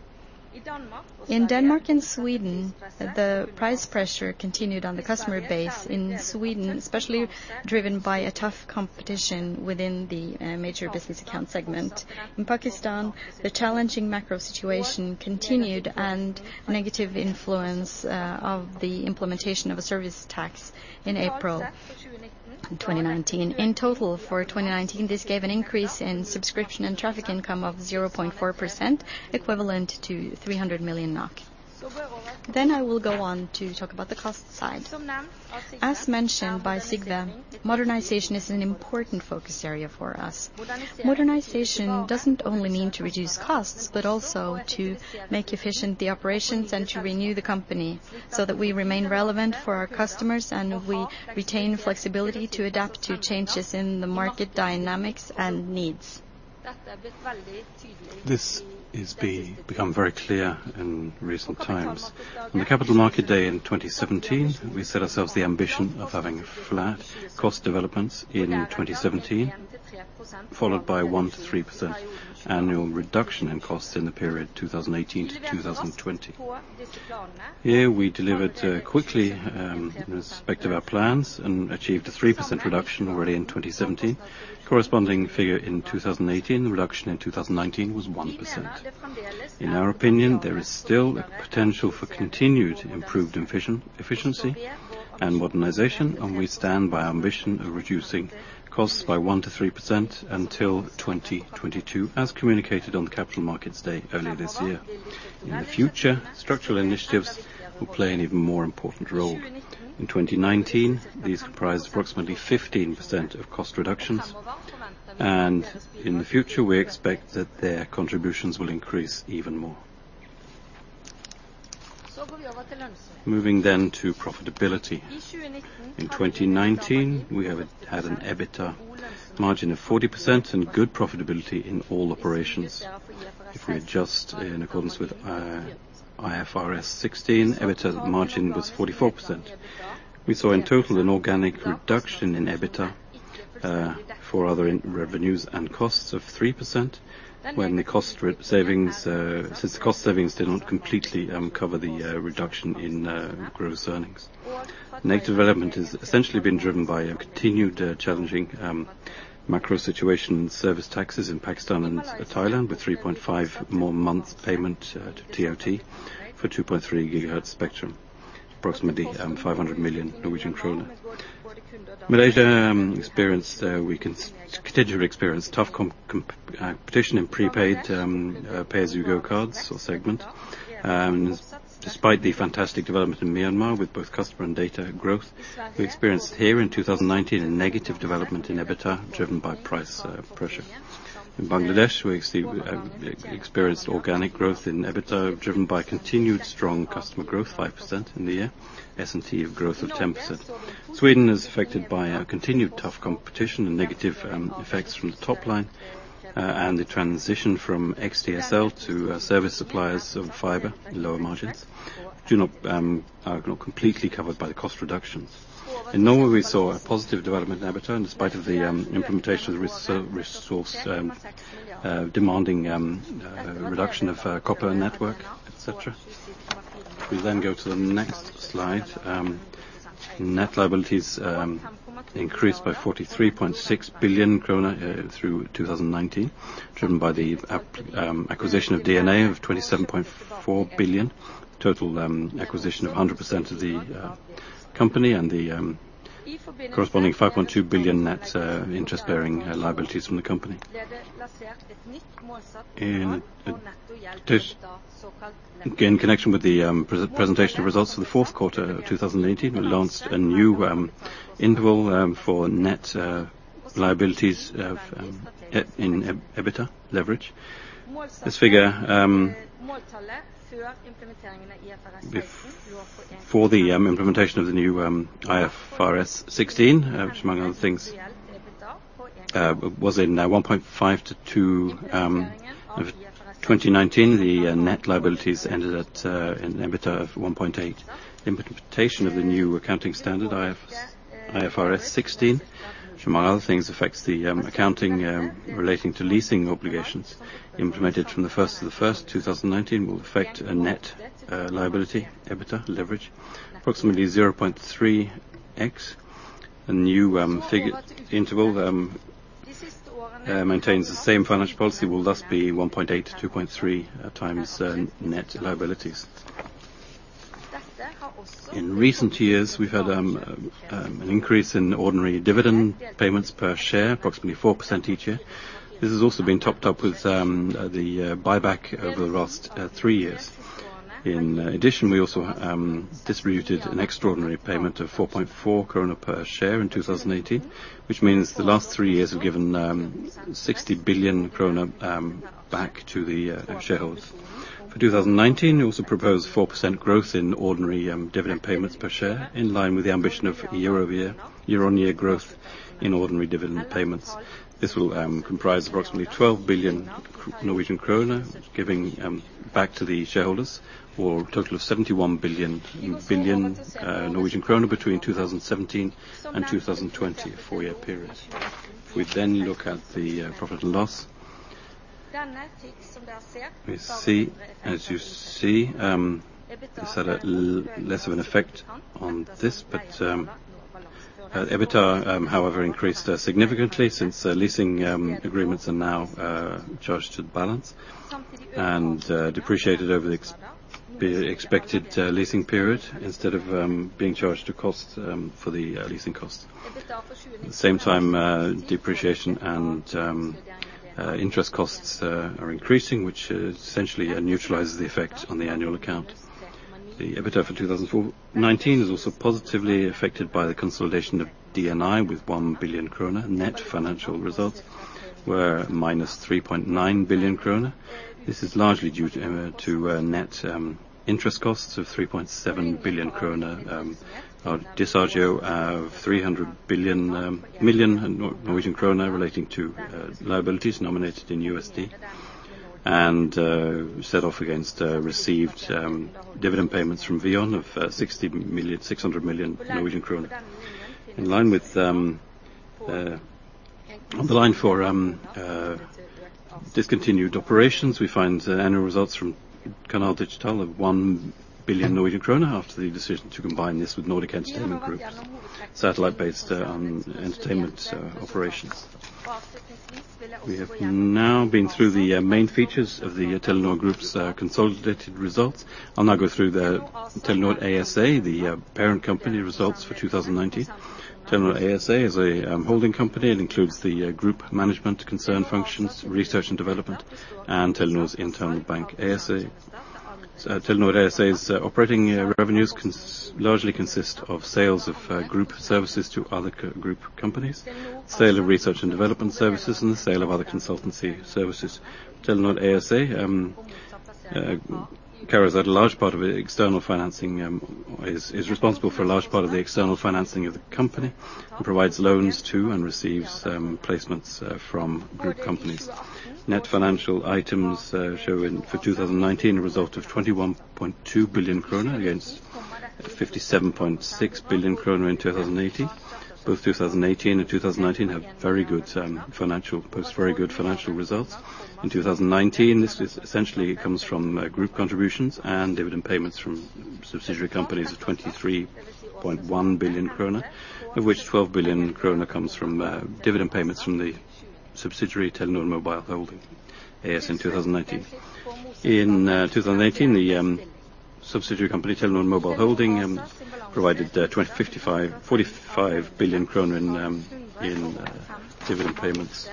In Denmark and Sweden, the price pressure continued on the customer base in Sweden, especially driven by a tough competition within the major business account segment. In Pakistan, the challenging macro situation continued and negative influence of the implementation of a service tax in April 2019. In total for 2019, this gave an increase in subscription and traffic income of 0.4%, equivalent to 300 million NOK. I will go on to talk about the cost side. As mentioned by Sigve, modernization is an important focus area for us. Modernization doesn't only mean to reduce costs, but also to make efficient the operations and to renew the company so that we remain relevant for our customers and we retain flexibility to adapt to changes in the market dynamics and needs. This has become very clear in recent times. On the Capital Markets Day in 2017, we set ourselves the ambition of having flat cost developments in 2017, followed by 1%-3% annual reduction in costs in the period 2018 to 2020. Here we delivered quickly in respect of our plans and achieved a 3% reduction already in 2017. Corresponding figure in 2018, the reduction in 2019 was 1%. In our opinion, there is still potential for continued improved efficiency and modernization, and we stand by our ambition of reducing costs by 1%-3% until 2022, as communicated on the Capital Markets Roadshow earlier this year. In the future, structural initiatives will play an even more important role. In 2019, these comprised approximately 15% of cost reductions. In the future, we expect that their contributions will increase even more. Moving to profitability. In 2019, we have had an EBITDA margin of 40% and good profitability in all operations. If we adjust in accordance with IFRS 16, EBITDA margin was 44%. We saw, in total, an organic reduction in EBITDA for other revenues and costs of 3% since the cost savings did not completely cover the reduction in gross earnings. Negative development has essentially been driven by a continued challenging macro situation in service taxes in Pakistan and Thailand, with 3.5 more months payment to TOT for 2.3 GHz spectrum, approximately NOK 500 million. Malaysia continued to experience tough competition in prepaid pay-as-you-go cards or segment. Despite the fantastic development in Myanmar with both customer and data growth, we experienced here in 2019 a negative development in EBITDA, driven by price pressure. In Bangladesh, we experienced organic growth in EBITDA, driven by continued strong customer growth, 5% in the year. S&T of growth 10%. Sweden is affected by a continued tough competition and negative effects from the top line, and the transition from XDSL to service suppliers of fiber, lower margins, are not completely covered by the cost reductions. In Norway, we saw a positive development in EBITDA in spite of the implementation of resource-demanding reduction of copper network, et cetera. We go to the next slide. Net liabilities increased by 43.6 billion krone through 2019, driven by the acquisition of DNA of 27.4 billion, total acquisition of 100% of the company and the corresponding 5.2 billion net interest-bearing liabilities from the company. In connection with the presentation of results for the fourth quarter of 2019, we launched a new interval for net liabilities in EBITDA leverage. This figure, for the implementation of the new IFRS 16, which among other things, was in 1.5-2 in 2019. The net liabilities ended at an EBITDA of 1.8x. Implementation of the new accounting standard, IFRS 16, which among other things affects the accounting relating to leasing obligations implemented from January 1st, 2019, will affect a net liability EBITDA leverage approximately 0.3x. The new interval maintains the same financial policy will thus be 1.8x-2.3x net liabilities. In recent years, we've had an increase in ordinary dividend payments per share, approximately 4% each year. This has also been topped up with the buyback over the last three years. In addition, we also distributed an extraordinary payment of 4.4 krone per share in 2018, which means the last three years have given 60 billion krone back to the shareholders. For 2019, we also proposed 4% growth in ordinary dividend payments per share, in line with the ambition of year-on-year growth in ordinary dividend payments. This will comprise approximately 12 billion Norwegian kroner giving back to the shareholders or a total of 71 billion Norwegian kroner between 2017 and 2020, a four-year period. Look at the profit and loss. As you see, this had a less of an effect on this, but EBITDA, however, increased significantly since leasing agreements are now charged to the balance and depreciated over the expected leasing period instead of being charged to cost for the leasing costs. At the same time, depreciation and interest costs are increasing, which essentially neutralizes the effect on the annual account. The EBITDA for 2019 is also positively affected by the consolidation of DNA with 1 billion kroner. Net financial results were -3.9 billion kroner. This is largely due to net interest costs of 3.7 billion kroner, a disagio of 300 million Norwegian kroner relating to liabilities nominated in USD, and set off against received dividend payments from VEON of 600 million Norwegian krone. On the line for discontinued operations, we find annual results from Canal Digital of 1 billion Norwegian krone after the decision to combine this with Nordic Entertainment Group's satellite-based entertainment operations. We have now been through the main features of the Telenor Group's consolidated results. I'll now go through the Telenor ASA, the parent company results for 2019. Telenor ASA is a holding company. It includes the group management concern functions, research and development, and Telenor's internal bank. Telenor ASA's operating revenues largely consist of sales of group services to other group companies, sale of research and development services, and the sale of other consultancy services. Telenor ASA is responsible for a large part of the external financing of the company and provides loans to and receives placements from group companies. Net financial items show for 2019, a result of 21.2 billion kroner against 57.6 billion kroner in 2018. Both 2018 and 2019 post very good financial results. In 2019, this essentially comes from group contributions and dividend payments from subsidiary companies of 23.1 billion krone, of which 12 billion krone comes from dividend payments from the subsidiary Telenor Mobile Holding AS in 2019. In 2018, the subsidiary company, Telenor Mobile Holding, provided 45 billion kroner in dividend payments.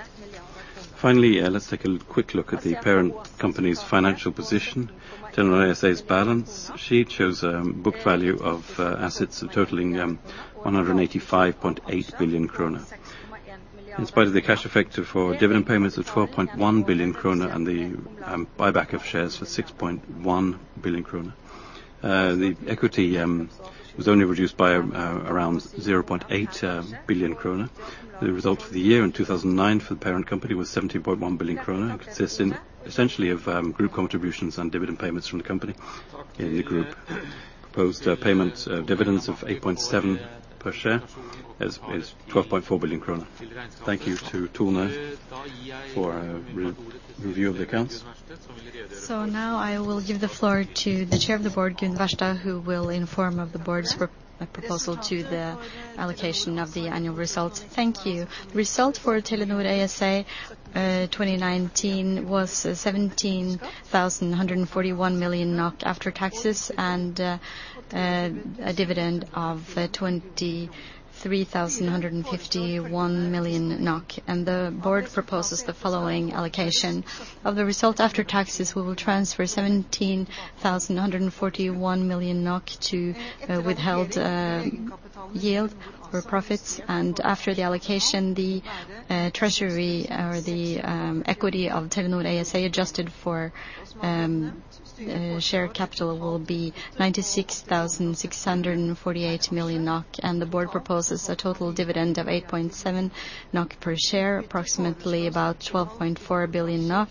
Finally, let's take a quick look at the parent company's financial position. Telenor ASA's balance sheet shows a book value of assets totaling 185.8 billion krone. In spite of the cash effect for dividend payments of 12.1 billion krone and the buyback of shares for 6.1 billion krone. The equity was only reduced by around 0.8 billion krone. The result for the year in 2009 for the parent company was 17.1 billion krone, consisting essentially of group contributions and dividend payments from the company in the group. Proposed payment of dividends of 8.7 per share is 12.4 billion kroner. Thank you to Tone for a review of the accounts. Now I will give the floor to the chair of the board, Gunn Wærsted, who will inform of the board's proposal to the allocation of the annual results. Thank you. The result for Telenor ASA 2019 was 17,141 million NOK after taxes and a dividend of 23,151 million NOK. The board proposes the following allocation. Of the result after taxes, we will transfer 17,141 million NOK to withheld yield or profits. After the allocation, the treasury or the equity of Telenor ASA adjusted for shared capital will be 96,648 million NOK and the board proposes a total dividend of 8.7 NOK per share, approximately about 12.4 billion NOK.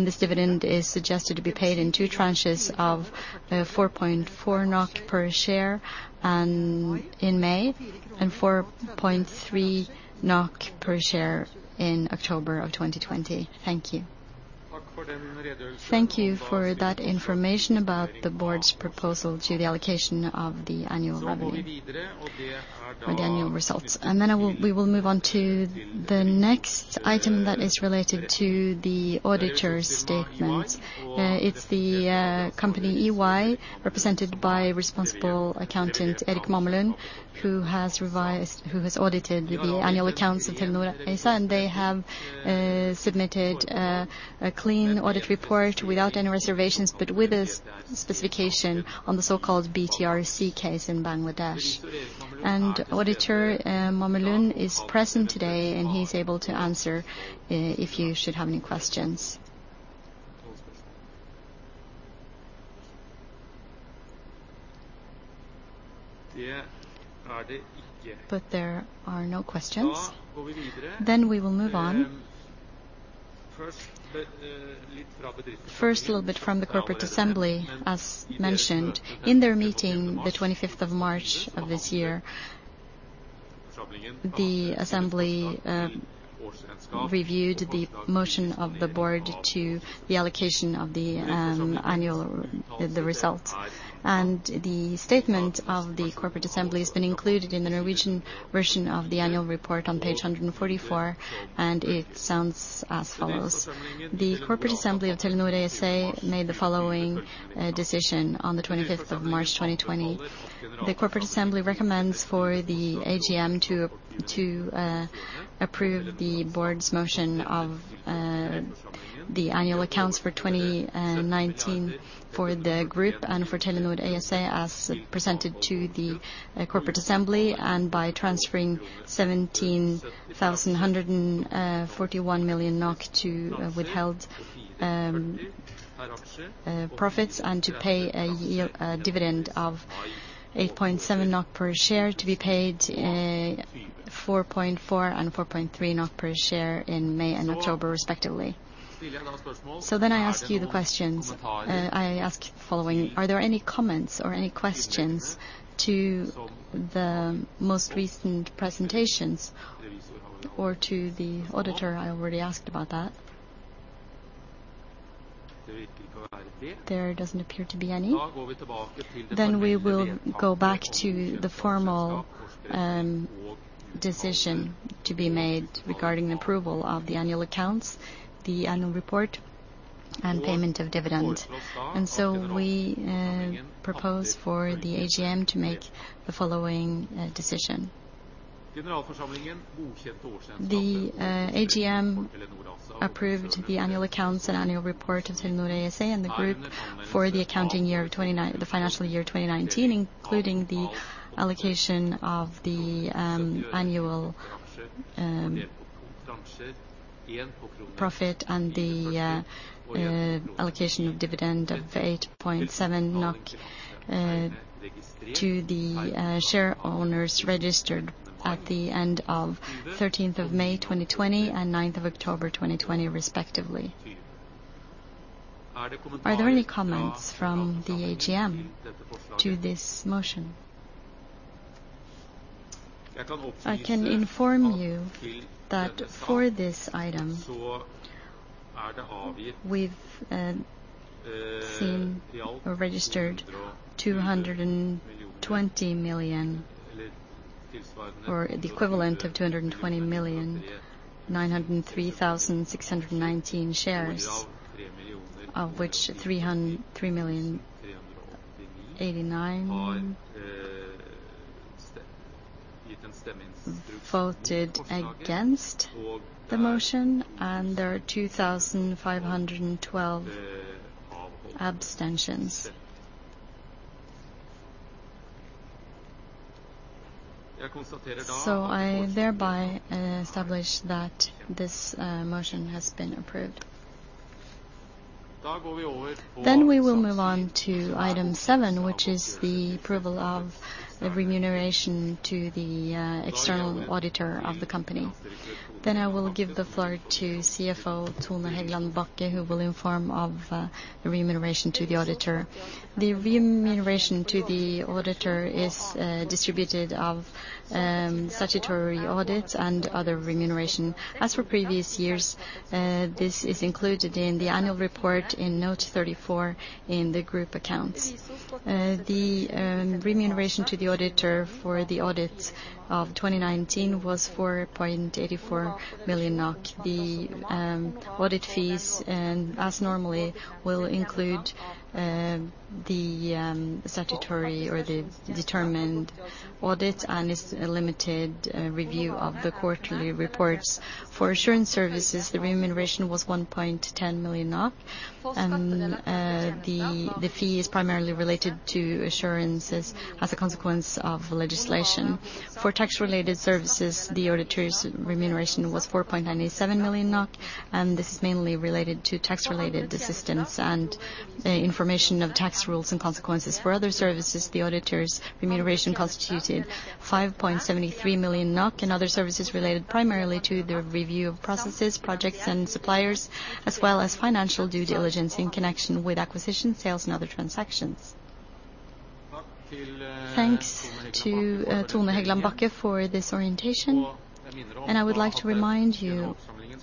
This dividend is suggested to be paid in two tranches of 4.4 NOK per share in May and 4.3 NOK per share in October of 2020. Thank you. Thank you for that information about the board's proposal to the allocation of the annual revenue for the annual results. We will move on to the next item that is related to the auditor's statements. It's the company EY, represented by Responsible Accountant Erik Mamelund, who has audited the annual accounts of Telenor ASA, and they have submitted a clean audit report without any reservations, but with a specification on the so-called BTRC case in Bangladesh. Auditor Mamelund is present today, and he is able to answer if you should have any questions. There are no questions. We will move on. First, a little bit from the Corporate Assembly. As mentioned, in their meeting the 25th March of this year, the assembly reviewed the motion of the board to the allocation of the result. The statement of the corporate assembly has been included in the Norwegian version of the annual report on page 144. It sounds as follows: The corporate assembly of Telenor ASA made the following decision on the 25th March 2020. The corporate assembly recommends for the AGM to approve the board's motion of the annual accounts for 2019 for the group and for Telenor ASA as presented to the corporate assembly, by transferring 17,141 million NOK to withheld profits and to pay a dividend of 8.7 NOK per share, to be paid 4.4 and 4.3 NOK per share in May and October respectively. I ask you the questions. I ask the following: Are there any comments or any questions to the most recent presentations or to the auditor? I already asked about that. There doesn't appear to be any. We will go back to the formal decision to be made regarding approval of the annual accounts, the annual report, and payment of dividend. We propose for the AGM to make the following decision. The AGM approved the annual accounts and annual report of Telenor ASA and the group for the financial year 2019, including the allocation of the annual profit and the allocation of dividend of 8.7 to the share owners registered at the end of 13th May 2020 and 9th October 2020 respectively. Are there any comments from the AGM to this motion? I can inform you that for this item, we've seen or registered 220 million, or the equivalent of 220,903,619 shares, of which 3,003,089 voted against the motion, and there are 2,512 abstentions. I thereby establish that this motion has been approved. We will move on to item seven, which is the approval of the remuneration to the external auditor of the company. I will give the floor to CFO Tone Hegland Bachke, who will inform of remuneration to the auditor. The remuneration to the auditor is distributed of statutory audits and other remuneration. As for previous years, this is included in the annual report in Note 34 in the group accounts. The remuneration to the auditor for the audits of 2019 was 4.84 million NOK. The audit fees, as normally, will include the statutory or the determined audit, and it is a limited review of the quarterly reports. For assurance services, the remuneration was 1.10 million, and the fee is primarily related to assurances as a consequence of legislation. For tax-related services, the auditor's remuneration was 4.987 million NOK, this is mainly related to tax-related assistance and information of tax rules and consequences. For other services, the auditor's remuneration constituted 5.73 million NOK, other services related primarily to the review of processes, projects and suppliers, as well as financial due diligence in connection with acquisitions, sales, and other transactions. Thanks to Tone Hegland Bachke for this orientation. I would like to remind you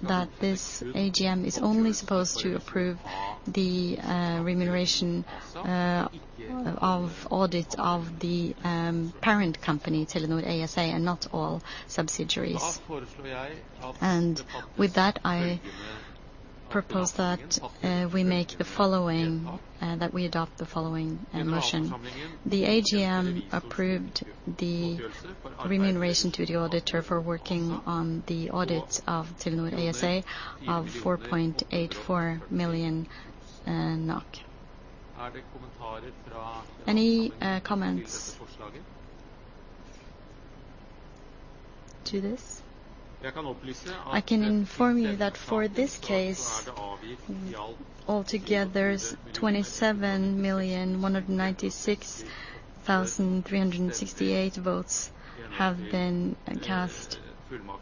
that this AGM is only supposed to approve the remuneration of audit of the parent company, Telenor ASA, not all subsidiaries. With that, I propose that we adopt the following motion. The AGM approved the remuneration to the auditor for working on the audits of Telenor ASA of 4.84 million NOK. Any comments to this? I can inform you that for this case, altogether, 27,196,368 votes have been cast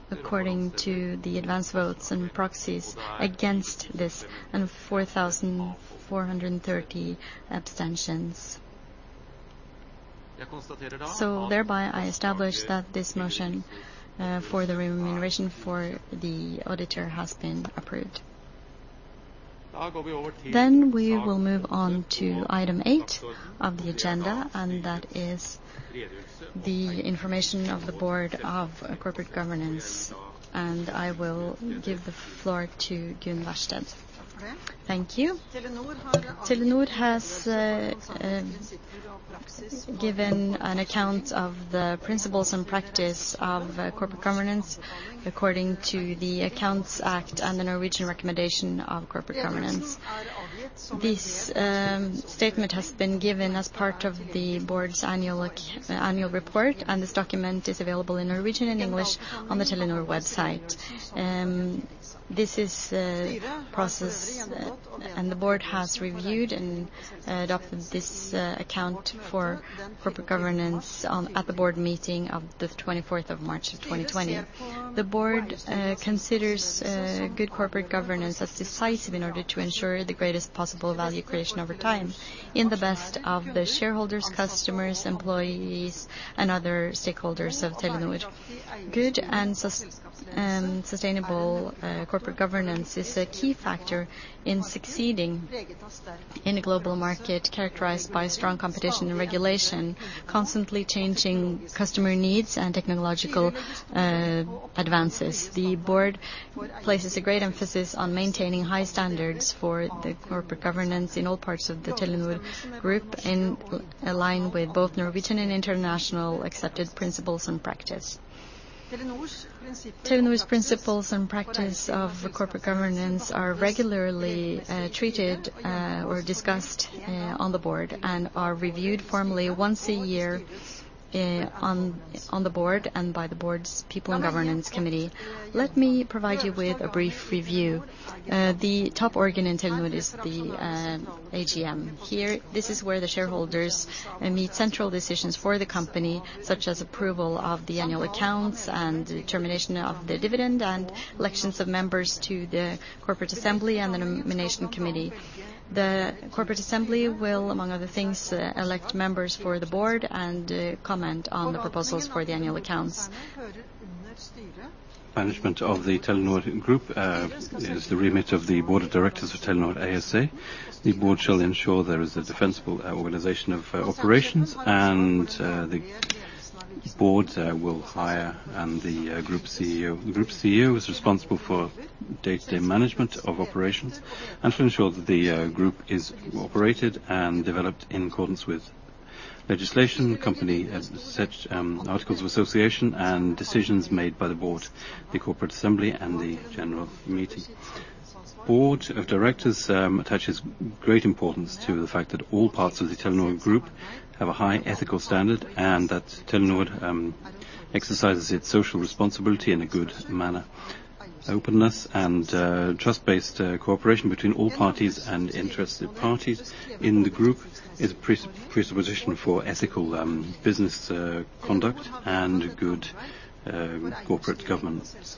according to the advance votes and proxies against this, and 4,430 abstentions. Thereby, I establish that this motion for the remuneration for the auditor has been approved. We will move on to item eight of the agenda, and that is the information of the board of corporate governance, and I will give the floor to Gunn Wærsted. Thank you. Telenor has given an account of the principles and practice of corporate governance according to the Accounts Act and the Norwegian recommendation of corporate governance. This statement has been given as part of the board's annual report, and this document is available in Norwegian and English on the Telenor website. This is a process, and the board has reviewed and adopted this account for corporate governance at the board meeting of the 24th March, 2020. The board considers good corporate governance as decisive in order to ensure the greatest possible value creation over time in the best of the shareholders, customers, employees, and other stakeholders of Telenor. Good and sustainable corporate governance is a key factor in succeeding in a global market characterized by strong competition and regulation, constantly changing customer needs, and technological advances. The board places a great emphasis on maintaining high standards for the corporate governance in all parts of the Telenor Group and align with both Norwegian and international accepted principles and practice. Telenor's principles and practice of corporate governance are regularly treated or discussed on the board and are reviewed formally once a year on the board and by the board's People and Governance Committee. Let me provide you with a brief review. The top organ in Telenor is the AGM. This is where the shareholders meet central decisions for the company, such as approval of the annual accounts and determination of the dividend and elections of members to the Corporate Assembly and the Nomination Committee. The Corporate Assembly will, among other things, elect members for the board and comment on the proposals for the annual accounts. Management of the Telenor Group is the remit of the Board of Directors of Telenor ASA. The Board shall ensure there is a defensible organization of operations, and the Board will hire the Group CEO. The Group CEO is responsible for day-to-day management of operations and to ensure that the Group is operated and developed in accordance with legislation, company as such, articles of association, and decisions made by the Board, the Corporate Assembly, and the general meeting. Board of Directors attaches great importance to the fact that all parts of the Telenor Group have a high ethical standard, and that Telenor exercises its social responsibility in a good manner. Openness and trust-based cooperation between all parties and interested parties in the Group is a presupposition for ethical business conduct and good corporate governance.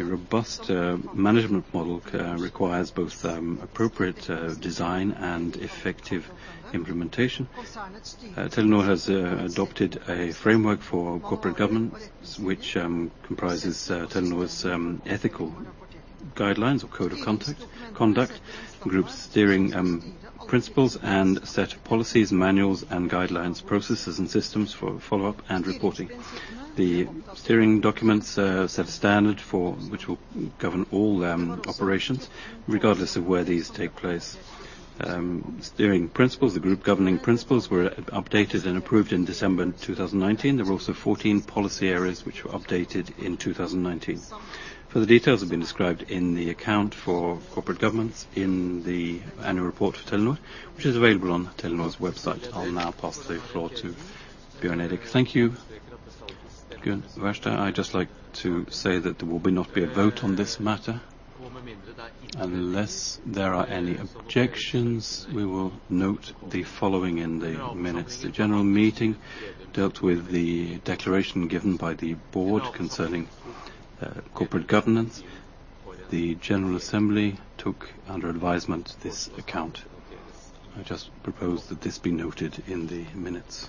A robust management model requires both appropriate design and effective implementation. Telenor has adopted a framework for corporate governance, which comprises Telenor's ethical guidelines or code of conduct, group steering principles, and a set of policies, manuals, and guidelines, processes, and systems for follow-up and reporting. The steering documents set a standard which will govern all operations, regardless of where these take place. Steering principles, the group governing principles, were updated and approved in December 2019. There were also 14 policy areas which were updated in 2019. Further details have been described in the account for corporate governance in the annual report for Telenor, which is available on Telenor's website. I'll now pass the floor to Bjørn Erik. Thank you, Gunn Wærsted. I'd just like to say that there will not be a vote on this matter. Unless there are any objections, we will note the following in the minutes. The general meeting dealt with the declaration given by the Board concerning corporate governance. The Corporate Assembly took under advisement this account. I just propose that this be noted in the minutes.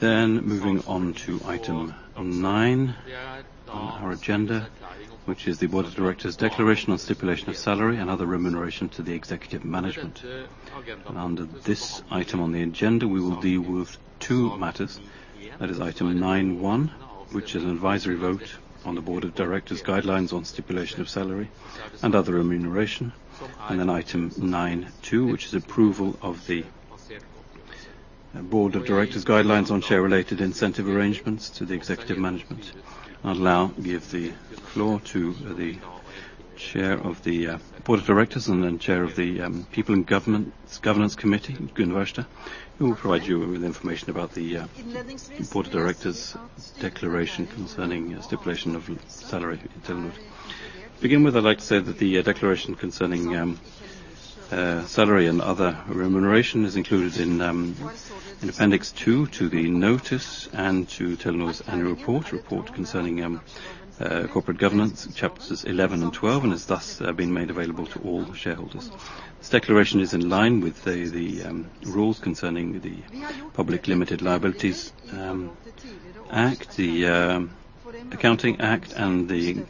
Moving on to item nine on our agenda, which is the Board of Directors' declaration on stipulation of salary and other remuneration to the executive management. Under this item on the agenda, we will deal with two matters. That is item 9.1, which is an advisory vote on the Board of Directors' guidelines on stipulation of salary and other remuneration. item 9.2, which is approval of the Board of Directors' guidelines on share-related incentive arrangements to the executive management. I'll now give the floor to the chair of the board of directors and then chair of the People and Governance Committee, Gunn Wærsted, who will provide you with information about the board of directors' declaration concerning stipulation of salary for Telenor. To begin with, I'd like to say that the declaration concerning salary and other remuneration is included in Appendix two to the notice and to Telenor's annual report concerning corporate governance, chapters 11 and 12, and has thus been made available to all shareholders. This declaration is in line with the rules concerning the Public Limited Liability Companies Act, the Accounting Act, and the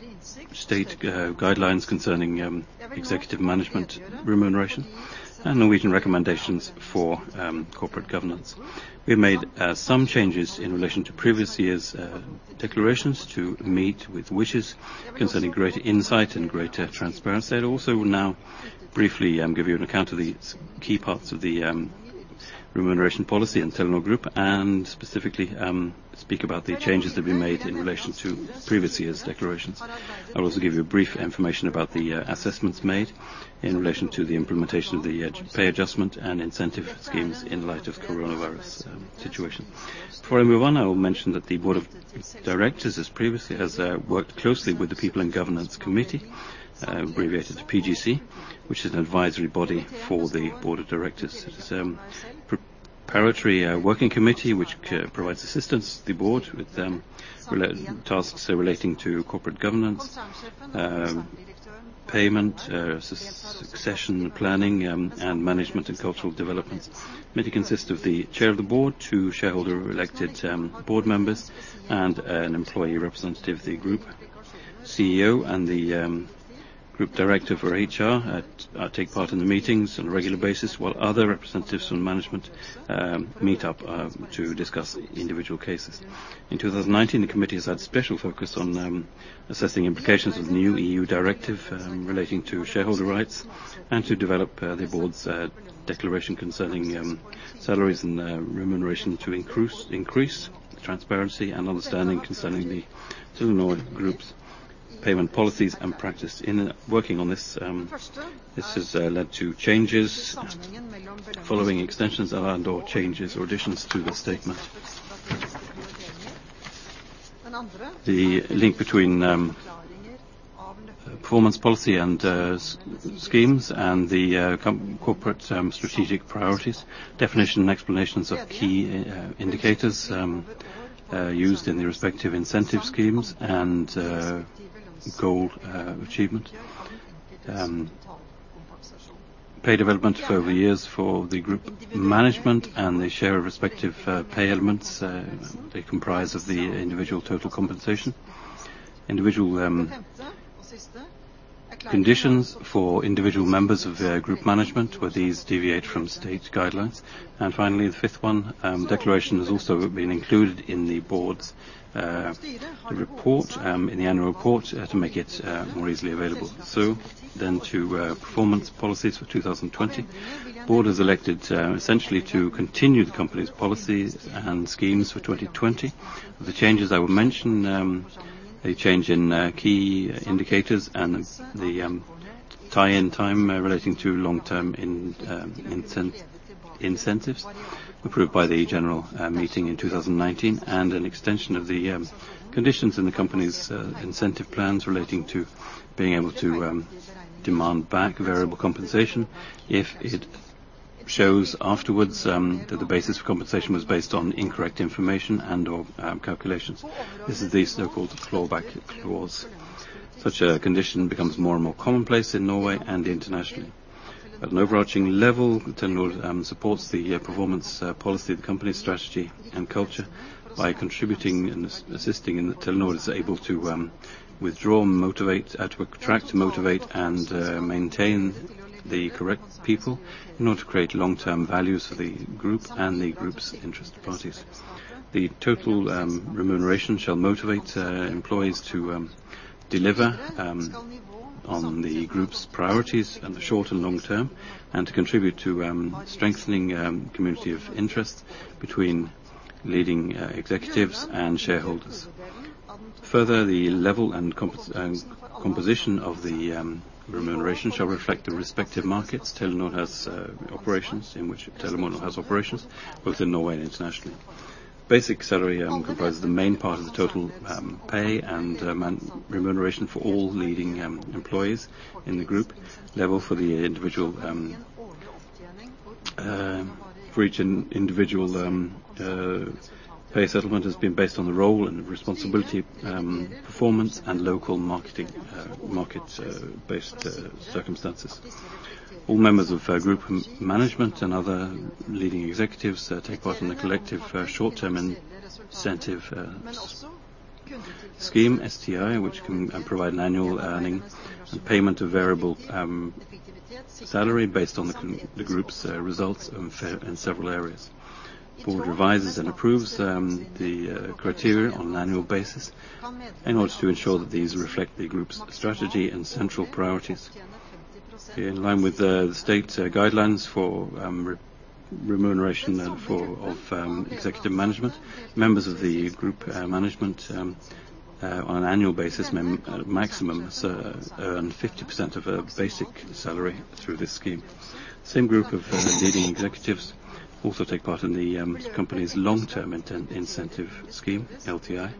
state guidelines concerning executive management remuneration and Norwegian recommendations for corporate governance. We have made some changes in relation to previous years' declarations to meet with wishes concerning greater insight and greater transparency. I also will now briefly give you an account of the key parts of the Remuneration policy in Telenor Group, and specifically speak about the changes that we made in relation to previous year's declarations. I will also give you a brief information about the assessments made in relation to the implementation of the pay adjustment and incentive schemes in light of coronavirus situation. Before I move on, I will mention that the Board of Directors, as previously, has worked closely with the People and Governance Committee, abbreviated to PGC, which is an advisory body for the Board of Directors. It is a preparatory working committee, which provides assistance to the Board with tasks relating to corporate governance, payment, succession planning, and management and cultural development. The Committee consists of the Chair of the Board, two shareholder elected board members, and an employee representative of the group. CEO and the group director for HR take part in the meetings on a regular basis, while other representatives from management meet up to discuss individual cases. In 2019, the committee has had special focus on assessing implications of the new EU directive relating to shareholder rights and to develop the board's declaration concerning salaries and remuneration to increase the transparency and understanding concerning the Telenor Group's payment policies and practice. In working on this, has led to changes following extensions and/or changes or additions to the statement: the link between performance policy and schemes and the corporate strategic priorities, definition and explanations of key indicators used in the respective incentive schemes and goal achievement, and pay development over years for the group management and the share respective pay elements they comprise of the individual total compensation. Individual conditions for individual members of group management, where these deviate from state guidelines. Finally, the fifth, declaration has also been included in the Board's report, in the Annual Report, to make it more easily available. To performance policies for 2020. The Board has elected essentially to continue the company's policies and schemes for 2020. The changes I will mention, a change in key indicators and the tie-in time relating to long-term incentives approved by the General Meeting in 2019, and an extension of the conditions in the company's incentive plans relating to being able to demand back variable compensation if it shows afterwards that the basis for compensation was based on incorrect information and/or calculations. This is the so-called clawback clause. Such a condition becomes more and more commonplace in Norway and internationally. At an overarching level, Telenor supports the performance policy of the company strategy and culture by contributing and assisting in the Telenor is able to attract, motivate, and maintain the correct people in order to create long-term values for the Group and the Group's interested parties. The total remuneration shall motivate employees to deliver on the Group's priorities in the short and long term, and to contribute to strengthening community of interest between leading executives and shareholders. Further, the level and composition of the remuneration shall reflect the respective markets Telenor has operations, in which Telenor has operations, both in Norway and internationally. Basic salary comprises the main part of the total pay and remuneration for all leading employees in the Group. Level for each individual pay settlement has been based on the role and responsibility, performance, and local markets-based circumstances. All members of group management and other leading executives take part in the collective short-term incentive scheme, STI, which can provide an annual earning and payment of variable salary based on the group's results in several areas. Board revises and approves the criteria on an annual basis in order to ensure that these reflect the group's strategy and central priorities. In line with the state guidelines for remuneration of executive management, members of the group management on an annual basis maximum earn 50% of a basic salary through this scheme. Same group of leading executives also take part in the company's long-term incentive scheme, LTI.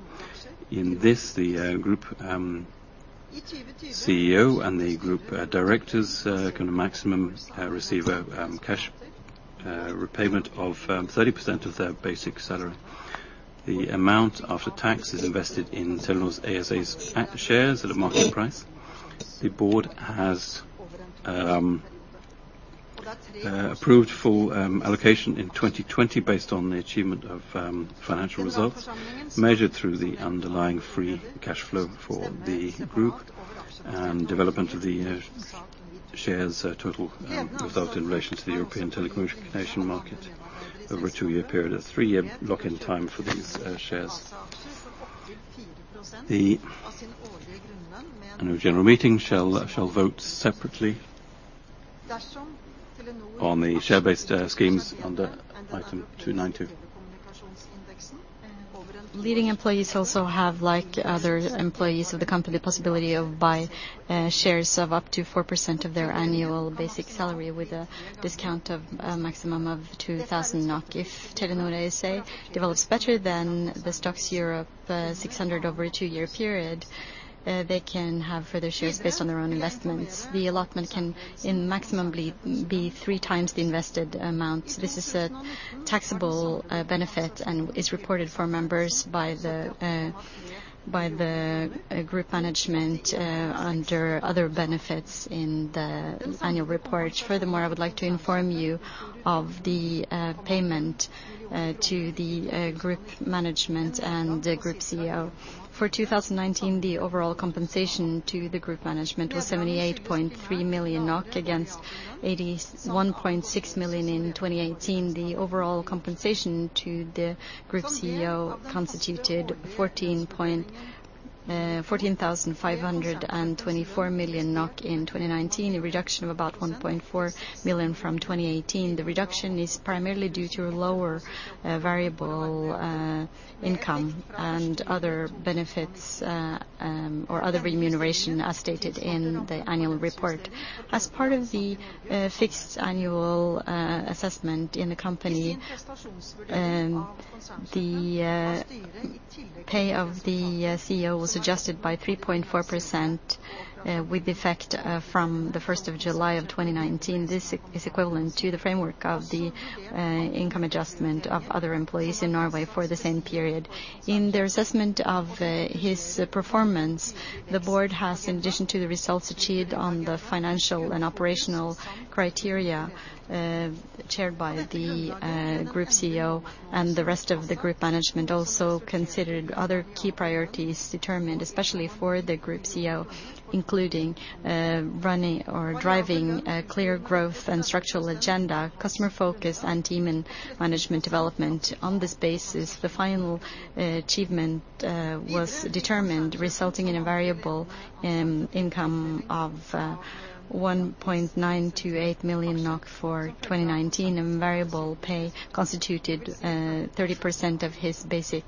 In this, the Group CEO and the Group Directors can maximum receive a cash repayment of 30% of their basic salary. The amount after tax is invested in Telenor ASA's shares at a market price. The board has approved full allocation in 2020 based on the achievement of financial results measured through the underlying free cash flow for the group and development of the shares total without relation to the European telecommunication market over a two-year period, a three-year lock-in time for these shares. The annual general meeting shall vote separately on the share-based schemes under item 9.2. Leading employees also have, like other employees of the company, the possibility of buy shares of up to 4% of their annual basic salary with a discount of a maximum of 2,000 NOK. If Telenor ASA develops better than the STOXX Europe 600 over a two-year period, they can have further shares based on their own investments. The allotment can maximum be three times the invested amount. This is a taxable benefit and is reported for members by the group management under other benefits in the annual report. Furthermore, I would like to inform you of the payment to the group management and the Group CEO. For 2019, the overall compensation to the group management was 78.3 million NOK against 81.6 million in 2018. The overall compensation to the Group CEO constituted 14,524 million NOK in 2019, a reduction of about 1.4 million from 2018. The reduction is primarily due to lower variable income and other benefits, or other remuneration as stated in the annual report. As part of the fixed annual assessment in the company, the pay of the CEO was adjusted by 3.4% with effect from the 1st July, 2019. This is equivalent to the framework of the income adjustment of other employees in Norway for the same period. In the assessment of his performance, the Board has, in addition to the results achieved on the financial and operational criteria, chaired by the Group CEO and the rest of the Group Management, also considered other key priorities determined especially for the Group CEO, including running or driving clear growth and structural agenda, customer focus, and team and management development. On this basis, the final achievement was determined, resulting in a variable income of 1.928 million NOK for 2019. Variable pay constituted 30% of his basic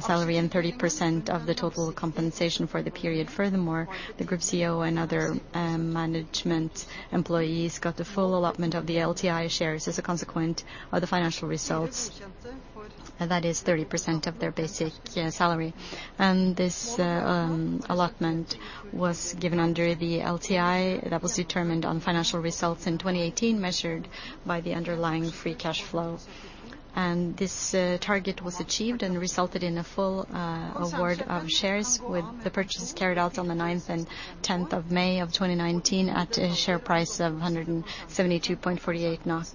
salary and 30% of the total compensation for the period. The Group CEO and other management employees got the full allotment of the LTI shares as a consequence of the financial results. That is 30% of their basic salary. This allotment was given under the LTI that was determined on financial results in 2018, measured by the underlying free cash flow. This target was achieved and resulted in a full award of shares with the purchases carried out on the 9th and 10th May, 2019 at a share price of 172.48 NOK.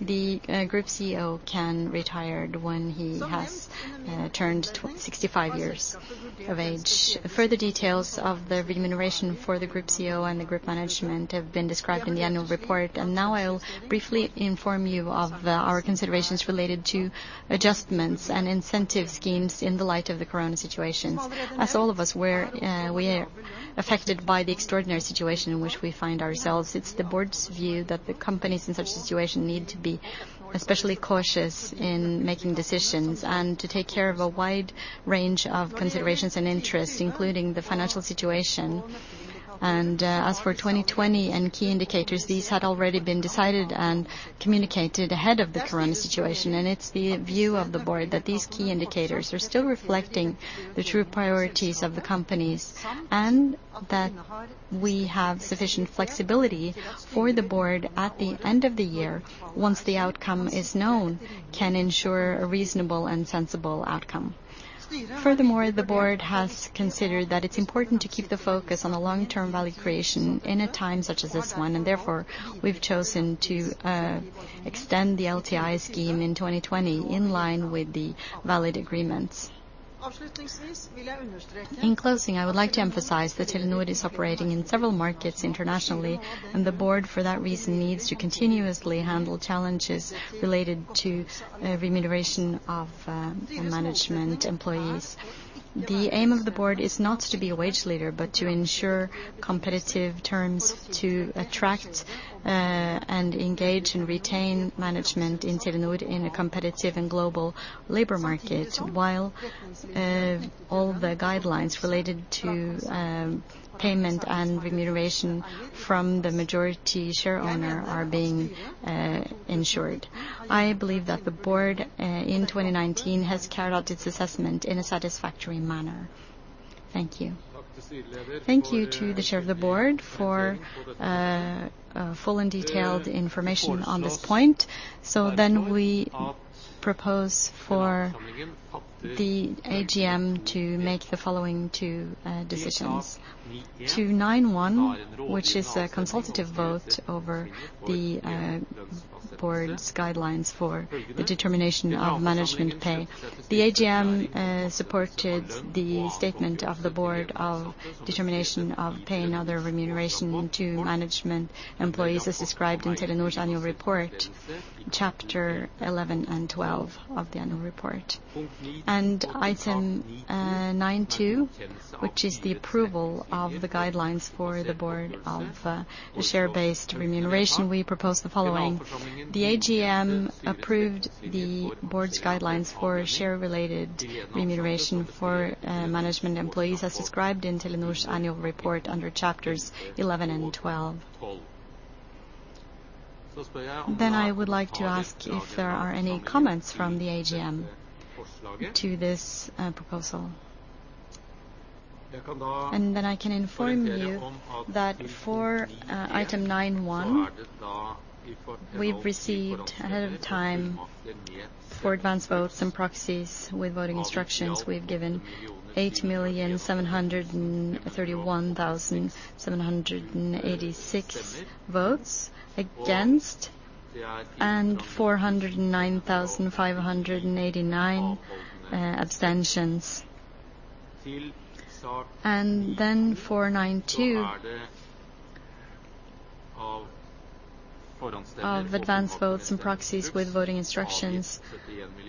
The Group CEO can retire when he has turned 65 years of age. Further details of the remuneration for the group CEO and the group management have been described in the annual report. Now I will briefly inform you of our considerations related to adjustments and incentive schemes in the light of the coronavirus situation. As all of us, we are affected by the extraordinary situation in which we find ourselves. It's the board's view that the companies in such a situation need to be especially cautious in making decisions and to take care of a wide range of considerations and interests, including the financial situation. As for 2020 and key indicators, these had already been decided and communicated ahead of the coronavirus situation, and it's the view of the Board that these key indicators are still reflecting the true priorities of the companies, and that we have sufficient flexibility for the Board at the end of the year, once the outcome is known, can ensure a reasonable and sensible outcome. Furthermore, the Board has considered that it's important to keep the focus on the long-term value creation in a time such as this one, and therefore, we've chosen to extend the LTI scheme in 2020 in line with the valid agreements. In closing, I would like to emphasize that Telenor is operating in several markets internationally, and the Board, for that reason, needs to continuously handle challenges related to remuneration of management employees. The aim of the board is not to be a wage leader, but to ensure competitive terms to attract and engage and retain management in Telenor in a competitive and global labor market, while all the guidelines related to payment and remuneration from the majority share owner are being ensured. I believe that the board in 2019 has carried out its assessment in a satisfactory manner. Thank you. Thank you to the Chair of the Board for full and detailed information on this point. We propose for the AGM to make the following two decisions. Item 9.1, which is a consultative vote over the board's guidelines for the determination of management pay. The AGM supported the statement of the board of determination of paying and other remuneration to management employees as described in Telenor's annual report, chapter 11 and 12 of the annual report. Item 9.2, which is the approval of the guidelines for the Board of share-based remuneration. We propose the following. The AGM approved the Board's guidelines for share-related remuneration for management employees as described in Telenor's annual report under chapters 11 and 12. I would like to ask if there are any comments from the AGM to this proposal. I can inform you that for item 9.1, we've received ahead of time for advanced votes and proxies with voting instructions. We've given 8,731,786 votes against and 409,589 abstentions. For 9.2, of advanced votes and proxies with voting instructions,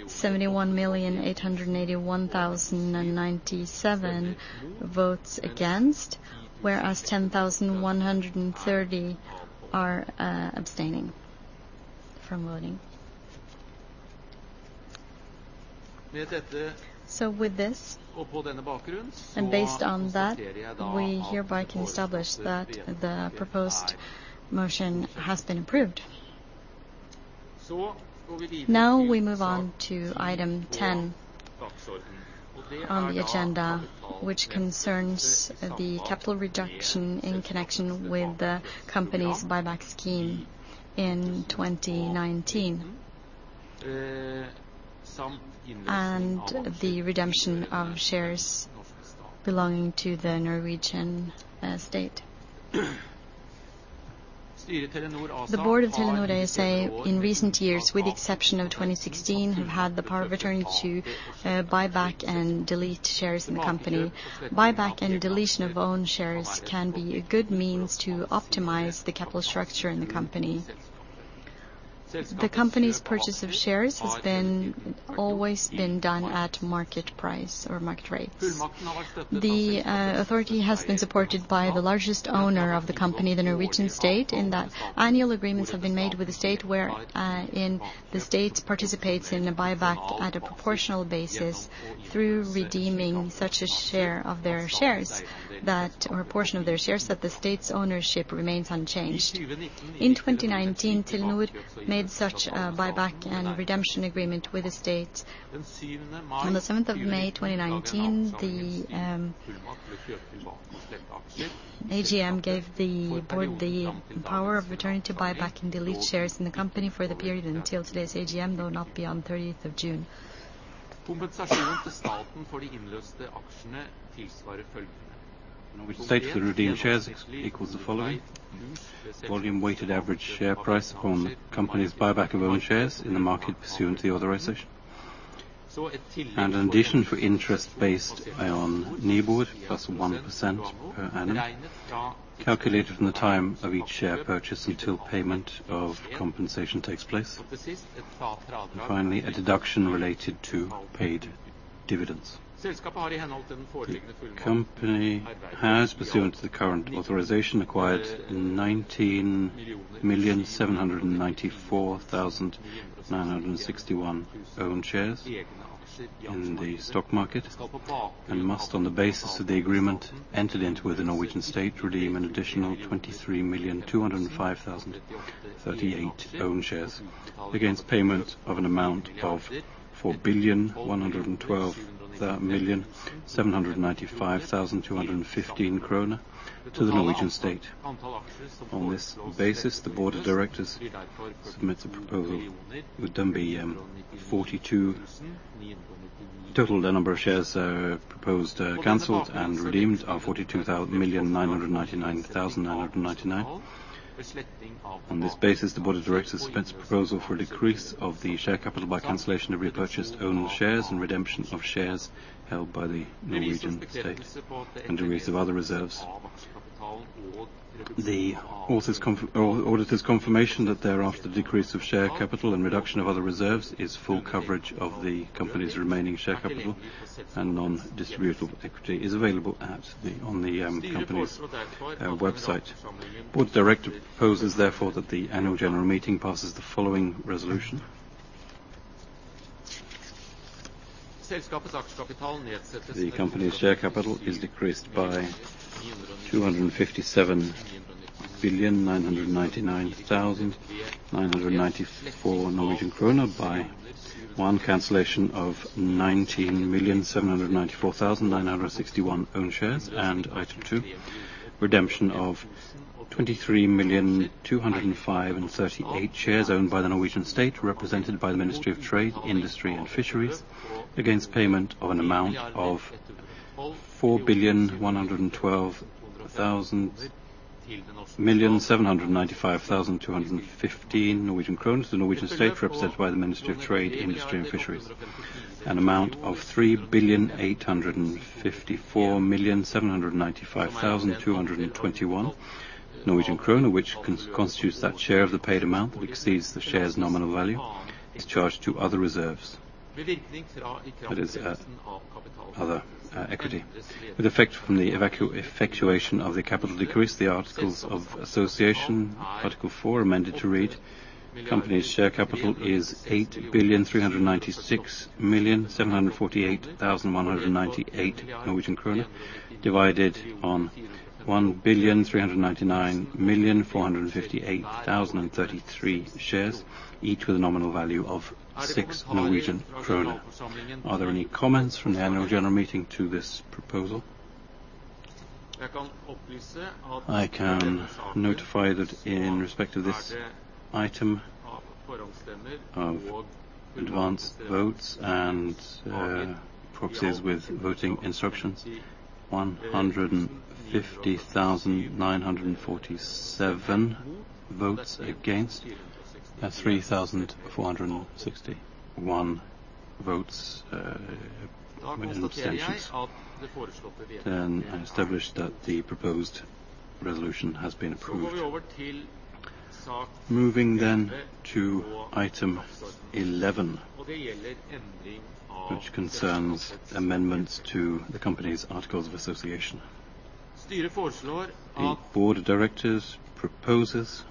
71,881,097 votes against, whereas 10,130 are abstaining from voting. With this, and based on that, we hereby can establish that the proposed motion has been approved. Now we move on to item 10 on the agenda, which concerns the capital reduction in connection with the company's buyback scheme in 2019, and the redemption of shares belonging to the Norwegian state. The board of Telenor ASA in recent years, with the exception of 2016, have had the power of attorney to buyback and delete shares in the company. Buyback and deletion of own shares can be a good means to optimize the capital structure in the company. The company's purchase of shares has always been done at market price or market rates. The authority has been supported by the largest owner of the company, the Norwegian state, in that annual agreements have been made with the state wherein the state participates in a buyback at a proportional basis through redeeming such a share of their shares, or a portion of their shares, that the state's ownership remains unchanged. In 2019, Telenor made such a buyback and redemption agreement with the state. On the 7th May, 2019, the AGM gave the board the power of attorney to buyback and delete shares in the company for the period until today's AGM, though not beyond 30th June. Which states the redeemed shares equals the following. Volume weighted average share price upon the company's buyback of own shares in the market pursuant to the authorization. In addition, for interest based on NIBOR plus 1% per annum, calculated from the time of each share purchase until payment of compensation takes place. Finally, a deduction related to paid dividends. The company has, pursuant to the current authorization, acquired 19,794,961 own shares in the stock market, and must, on the basis of the agreement entered into with the Norwegian State, redeem an additional 23,205,038 own shares against payment of an amount of NOK 4,112,795,215 to the Norwegian State. On this basis, the board of directors submits a proposal. The total number of shares proposed, canceled, and redeemed are 42,999,999. On this basis, the board of directors submits a proposal for a decrease of the share capital by cancellation of repurchased own shares and redemption of shares held by the Norwegian State and decrease of other reserves. The auditor's confirmation that thereafter decrease of share capital and reduction of other reserves is full coverage of the company's remaining share capital and non-distributable equity is available on the company's website. Board director proposes, therefore, that the Annual General Meeting passes the following resolution. The company's share capital is decreased by 257,999,994 Norwegian kroner by, one, cancellation of 19,794,961 own shares, and item two, redemption of 23,205,038 shares owned by the Norwegian State, represented by the Ministry of Trade, Industry and Fisheries, against payment of an amount of 4,112,795,215 Norwegian kroner to the Norwegian State, represented by the Ministry of Trade, Industry and Fisheries. An amount of 3,854,795,221 Norwegian kroner, which constitutes that share of the paid amount which exceeds the share's nominal value, is charged to other reserves. That is other equity. With effect from the effectuation of the capital decrease, the articles of association, Article 4, amended to read: company's share capital is 8,396,748,198 Norwegian krone, divided on 1,399,458,033 shares, each with a nominal value of 6 Norwegian kroner. Are there any comments from the annual general meeting to this proposal? I can notify that in respect of this item of advanced votes and proxies with voting instructions, 150,947 votes against and 3,461 votes in abstentions. I establish that the proposed resolution has been approved. Moving then to item 11, which concerns amendments to the company's articles of association. The board of directors proposes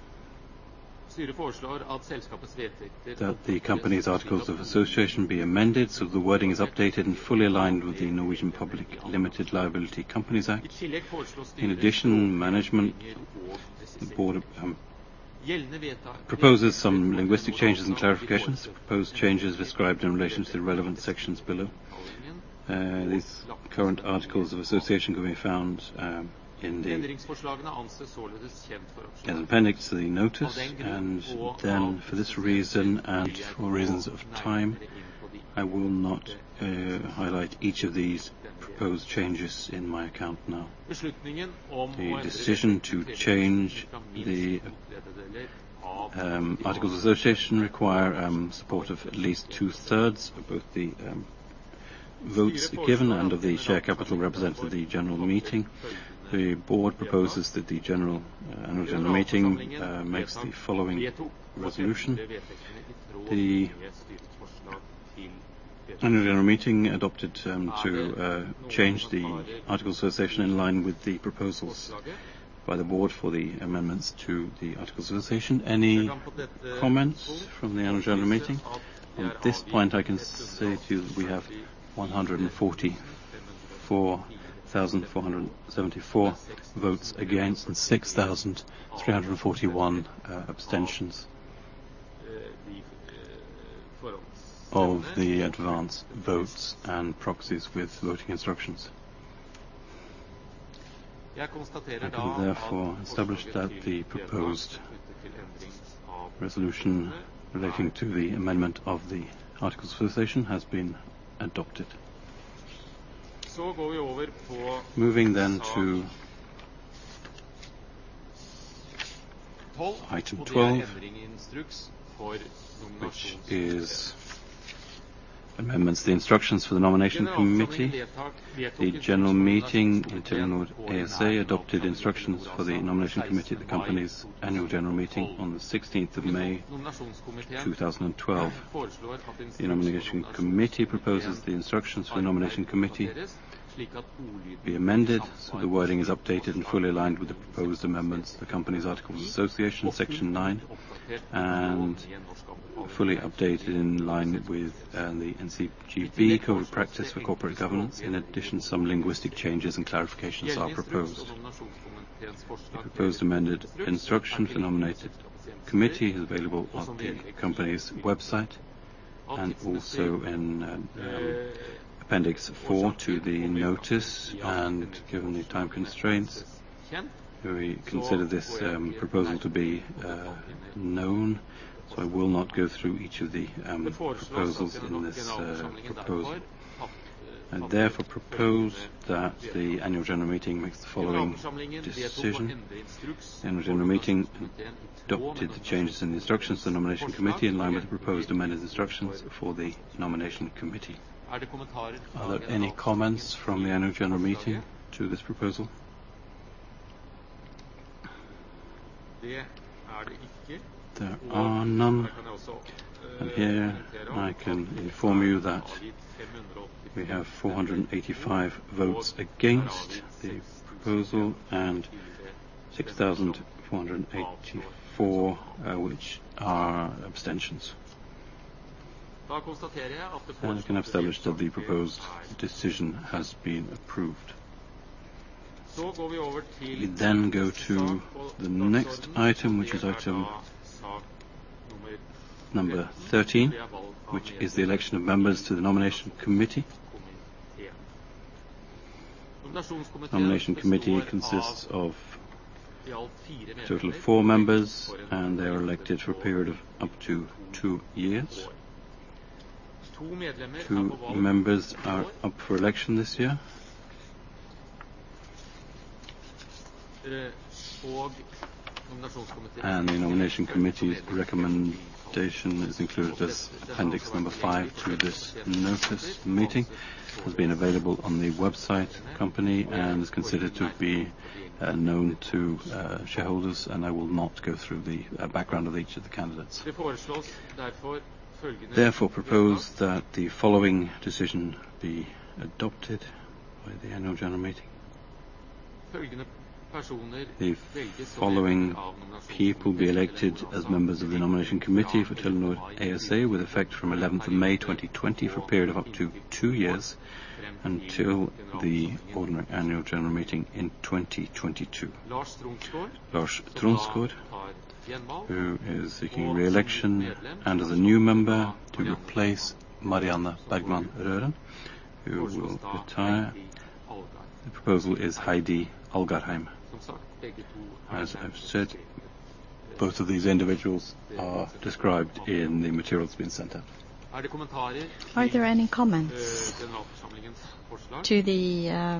that the company's articles of association be amended so the wording is updated and fully aligned with the Norwegian Public Limited Liability Companies Act. The board proposes some linguistic changes and clarifications. Proposed changes described in relation to the relevant sections below. These current articles of association can be found in the Appendix to the notice, for this reason and for reasons of time, I will not highlight each of these proposed changes in my account now. The decision to change the articles of association require support of at least two-thirds of both the votes given and of the share capital represented at the annual general meeting. The board proposes that the annual general meeting makes the following resolution. The annual general meeting adopted to change the articles of association in line with the proposals by the board for the amendments to the articles of association. Any comments from the annual general meeting? At this point, I can say to you that we have 144,474 votes against and 6,341 abstentions of the advance votes and proxies with voting instructions. I can therefore establish that the proposed resolution relating to the amendment of the articles of association has been adopted. Moving to item 12, which is amendments to the instructions for the Nomination Committee. The general meeting, the Telenor ASA, adopted instructions for the Nomination Committee at the company's annual general meeting on the 16th May 2012. The nomination committee proposes the instructions for the nomination committee be amended so the wording is updated and fully aligned with the proposed amendments to the company's articles of association, Section nine, and fully updated in line with the NUES Code of Practice for Corporate Governance. Some linguistic changes and clarifications are proposed. The proposed amended instructions for the nomination committee is available on the company's website, and also in Appendix four to the notice, and given the time constraints, we consider this proposal to be known. I will not go through each of the proposals in this proposal. I therefore propose that the Annual General Meeting makes the following decision. The Annual General Meeting adopted the changes in the instructions to the nomination committee in line with the proposed amended instructions for the nomination committee. Are there any comments from the annual general meeting to this proposal? There are none. Here I can inform you that we have 485 votes against the proposal and 6,484 which are abstentions. I can establish that the proposed decision has been approved. We go to the next item, which is item number 13, which is the election of members to the Nomination Committee. The Nomination Committee consists of total of four members, and they are elected for a period of up to two years. Two members are up for election this year. The Nomination Committee's recommendation is included as Appendix number five to this notice of meeting, has been available on the website of the company, and is considered to be known to shareholders, and I will not go through the background of each of the candidates. Therefore propose that the following decision be adopted by the annual general meeting. The following people be elected as members of the Nomination Committee for Telenor ASA with effect from 11th May, 2020 for a period of up to two years until the ordinary annual general meeting in 2022. Lars Tronsgaard, who is seeking re-election, and as a new member to replace Marianne Bergmann Røren, who will retire. The proposal is Heidi Algarheim. As I have saidboth these individuals are described in the materials being sent out. Are there any comments to the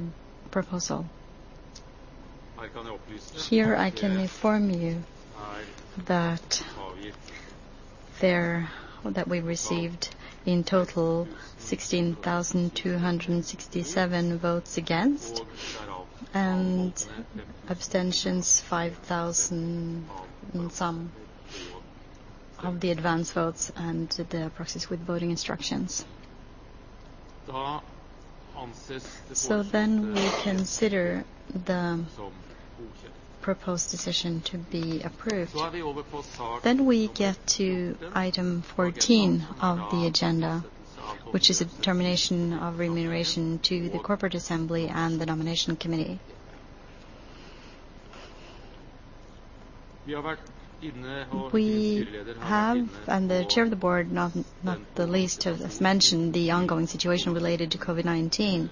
proposal? Here I can inform you that we received in total 16,267 votes against, and abstentions 5,000 and some of the advance votes and the proxies with voting instructions. We consider the proposed decision to be approved. We get to item 14 of the agenda, which is a determination of remuneration to the Corporate Assembly and the Nomination Committee. We have, and the Chair of the Board not the least, has mentioned the ongoing situation related to COVID-19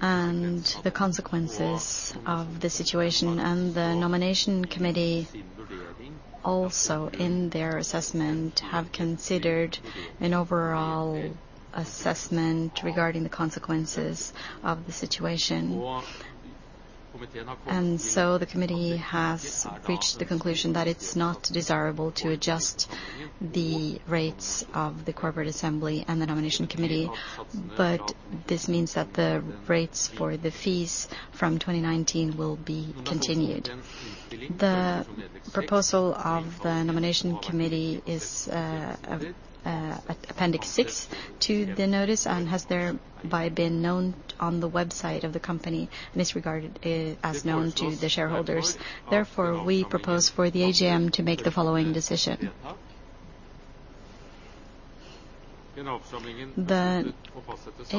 and the consequences of the situation, and the Nomination Committee also in their assessment have considered an overall assessment regarding the consequences of the situation. The committee has reached the conclusion that it's not desirable to adjust the rates of the Corporate Assembly and the Nomination Committee, but this means that the rates for the fees from 2019 will be continued. The proposal of the Nomination Committee is Appendix six to the notice and has thereby been known on the website of the company and is regarded as known to the shareholders. We propose for the AGM to make the following decision. The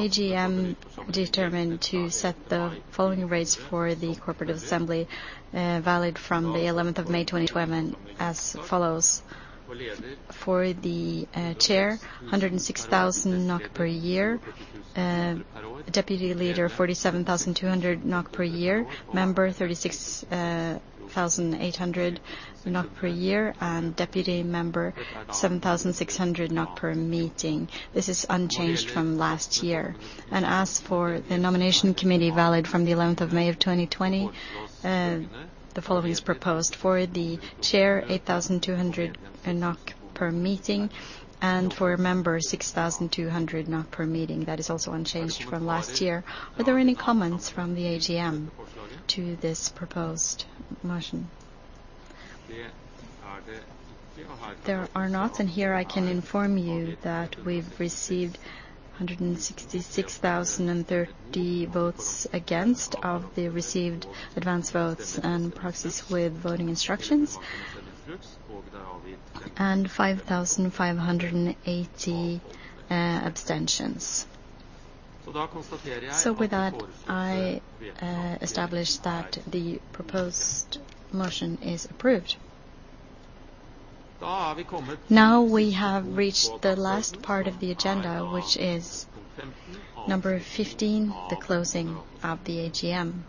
AGM determined to set the following rates for the Corporate Assembly, valid from the 11th May, 2020 as follows: for the chair, 106,000 NOK per year, deputy leader 47,200 NOK per year, member 36,800 NOK per year, and deputy member 7,600 NOK per meeting. This is unchanged from last year. As for the Nomination Committee, valid from the 11th May, 2020, the following is proposed: for the chair, 8,200 NOK per meeting, and for members 6,200 NOK per meeting. That is also unchanged from last year. Are there any comments from the AGM to this proposed motion? There are not, and here I can inform you that we've received 166,030 votes against of the received advance votes and proxies with voting instructions, and 5,580 abstentions. With that, I establish that the proposed motion is approved. Now we have reached the last part of the agenda, which is number 15, the closing of the AGM.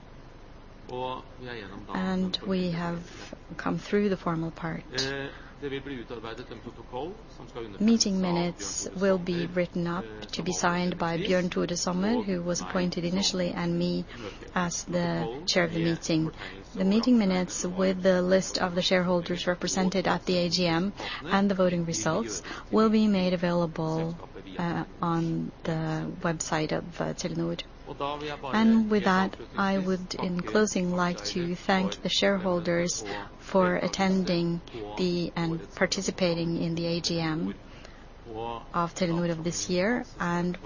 We have come through the formal part. Meeting minutes will be written up to be signed by Bjørn Tore Sommer, who was appointed initially, and me as the chair of the meeting. The meeting minutes with the list of the shareholders represented at the AGM and the voting results will be made available on the website of Telenor. With that, I would in closing like to thank the shareholders for attending and participating in the AGM of Telenor this year.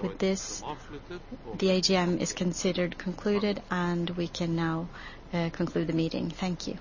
With this, the AGM is considered concluded, and we can now conclude the meeting. Thank you.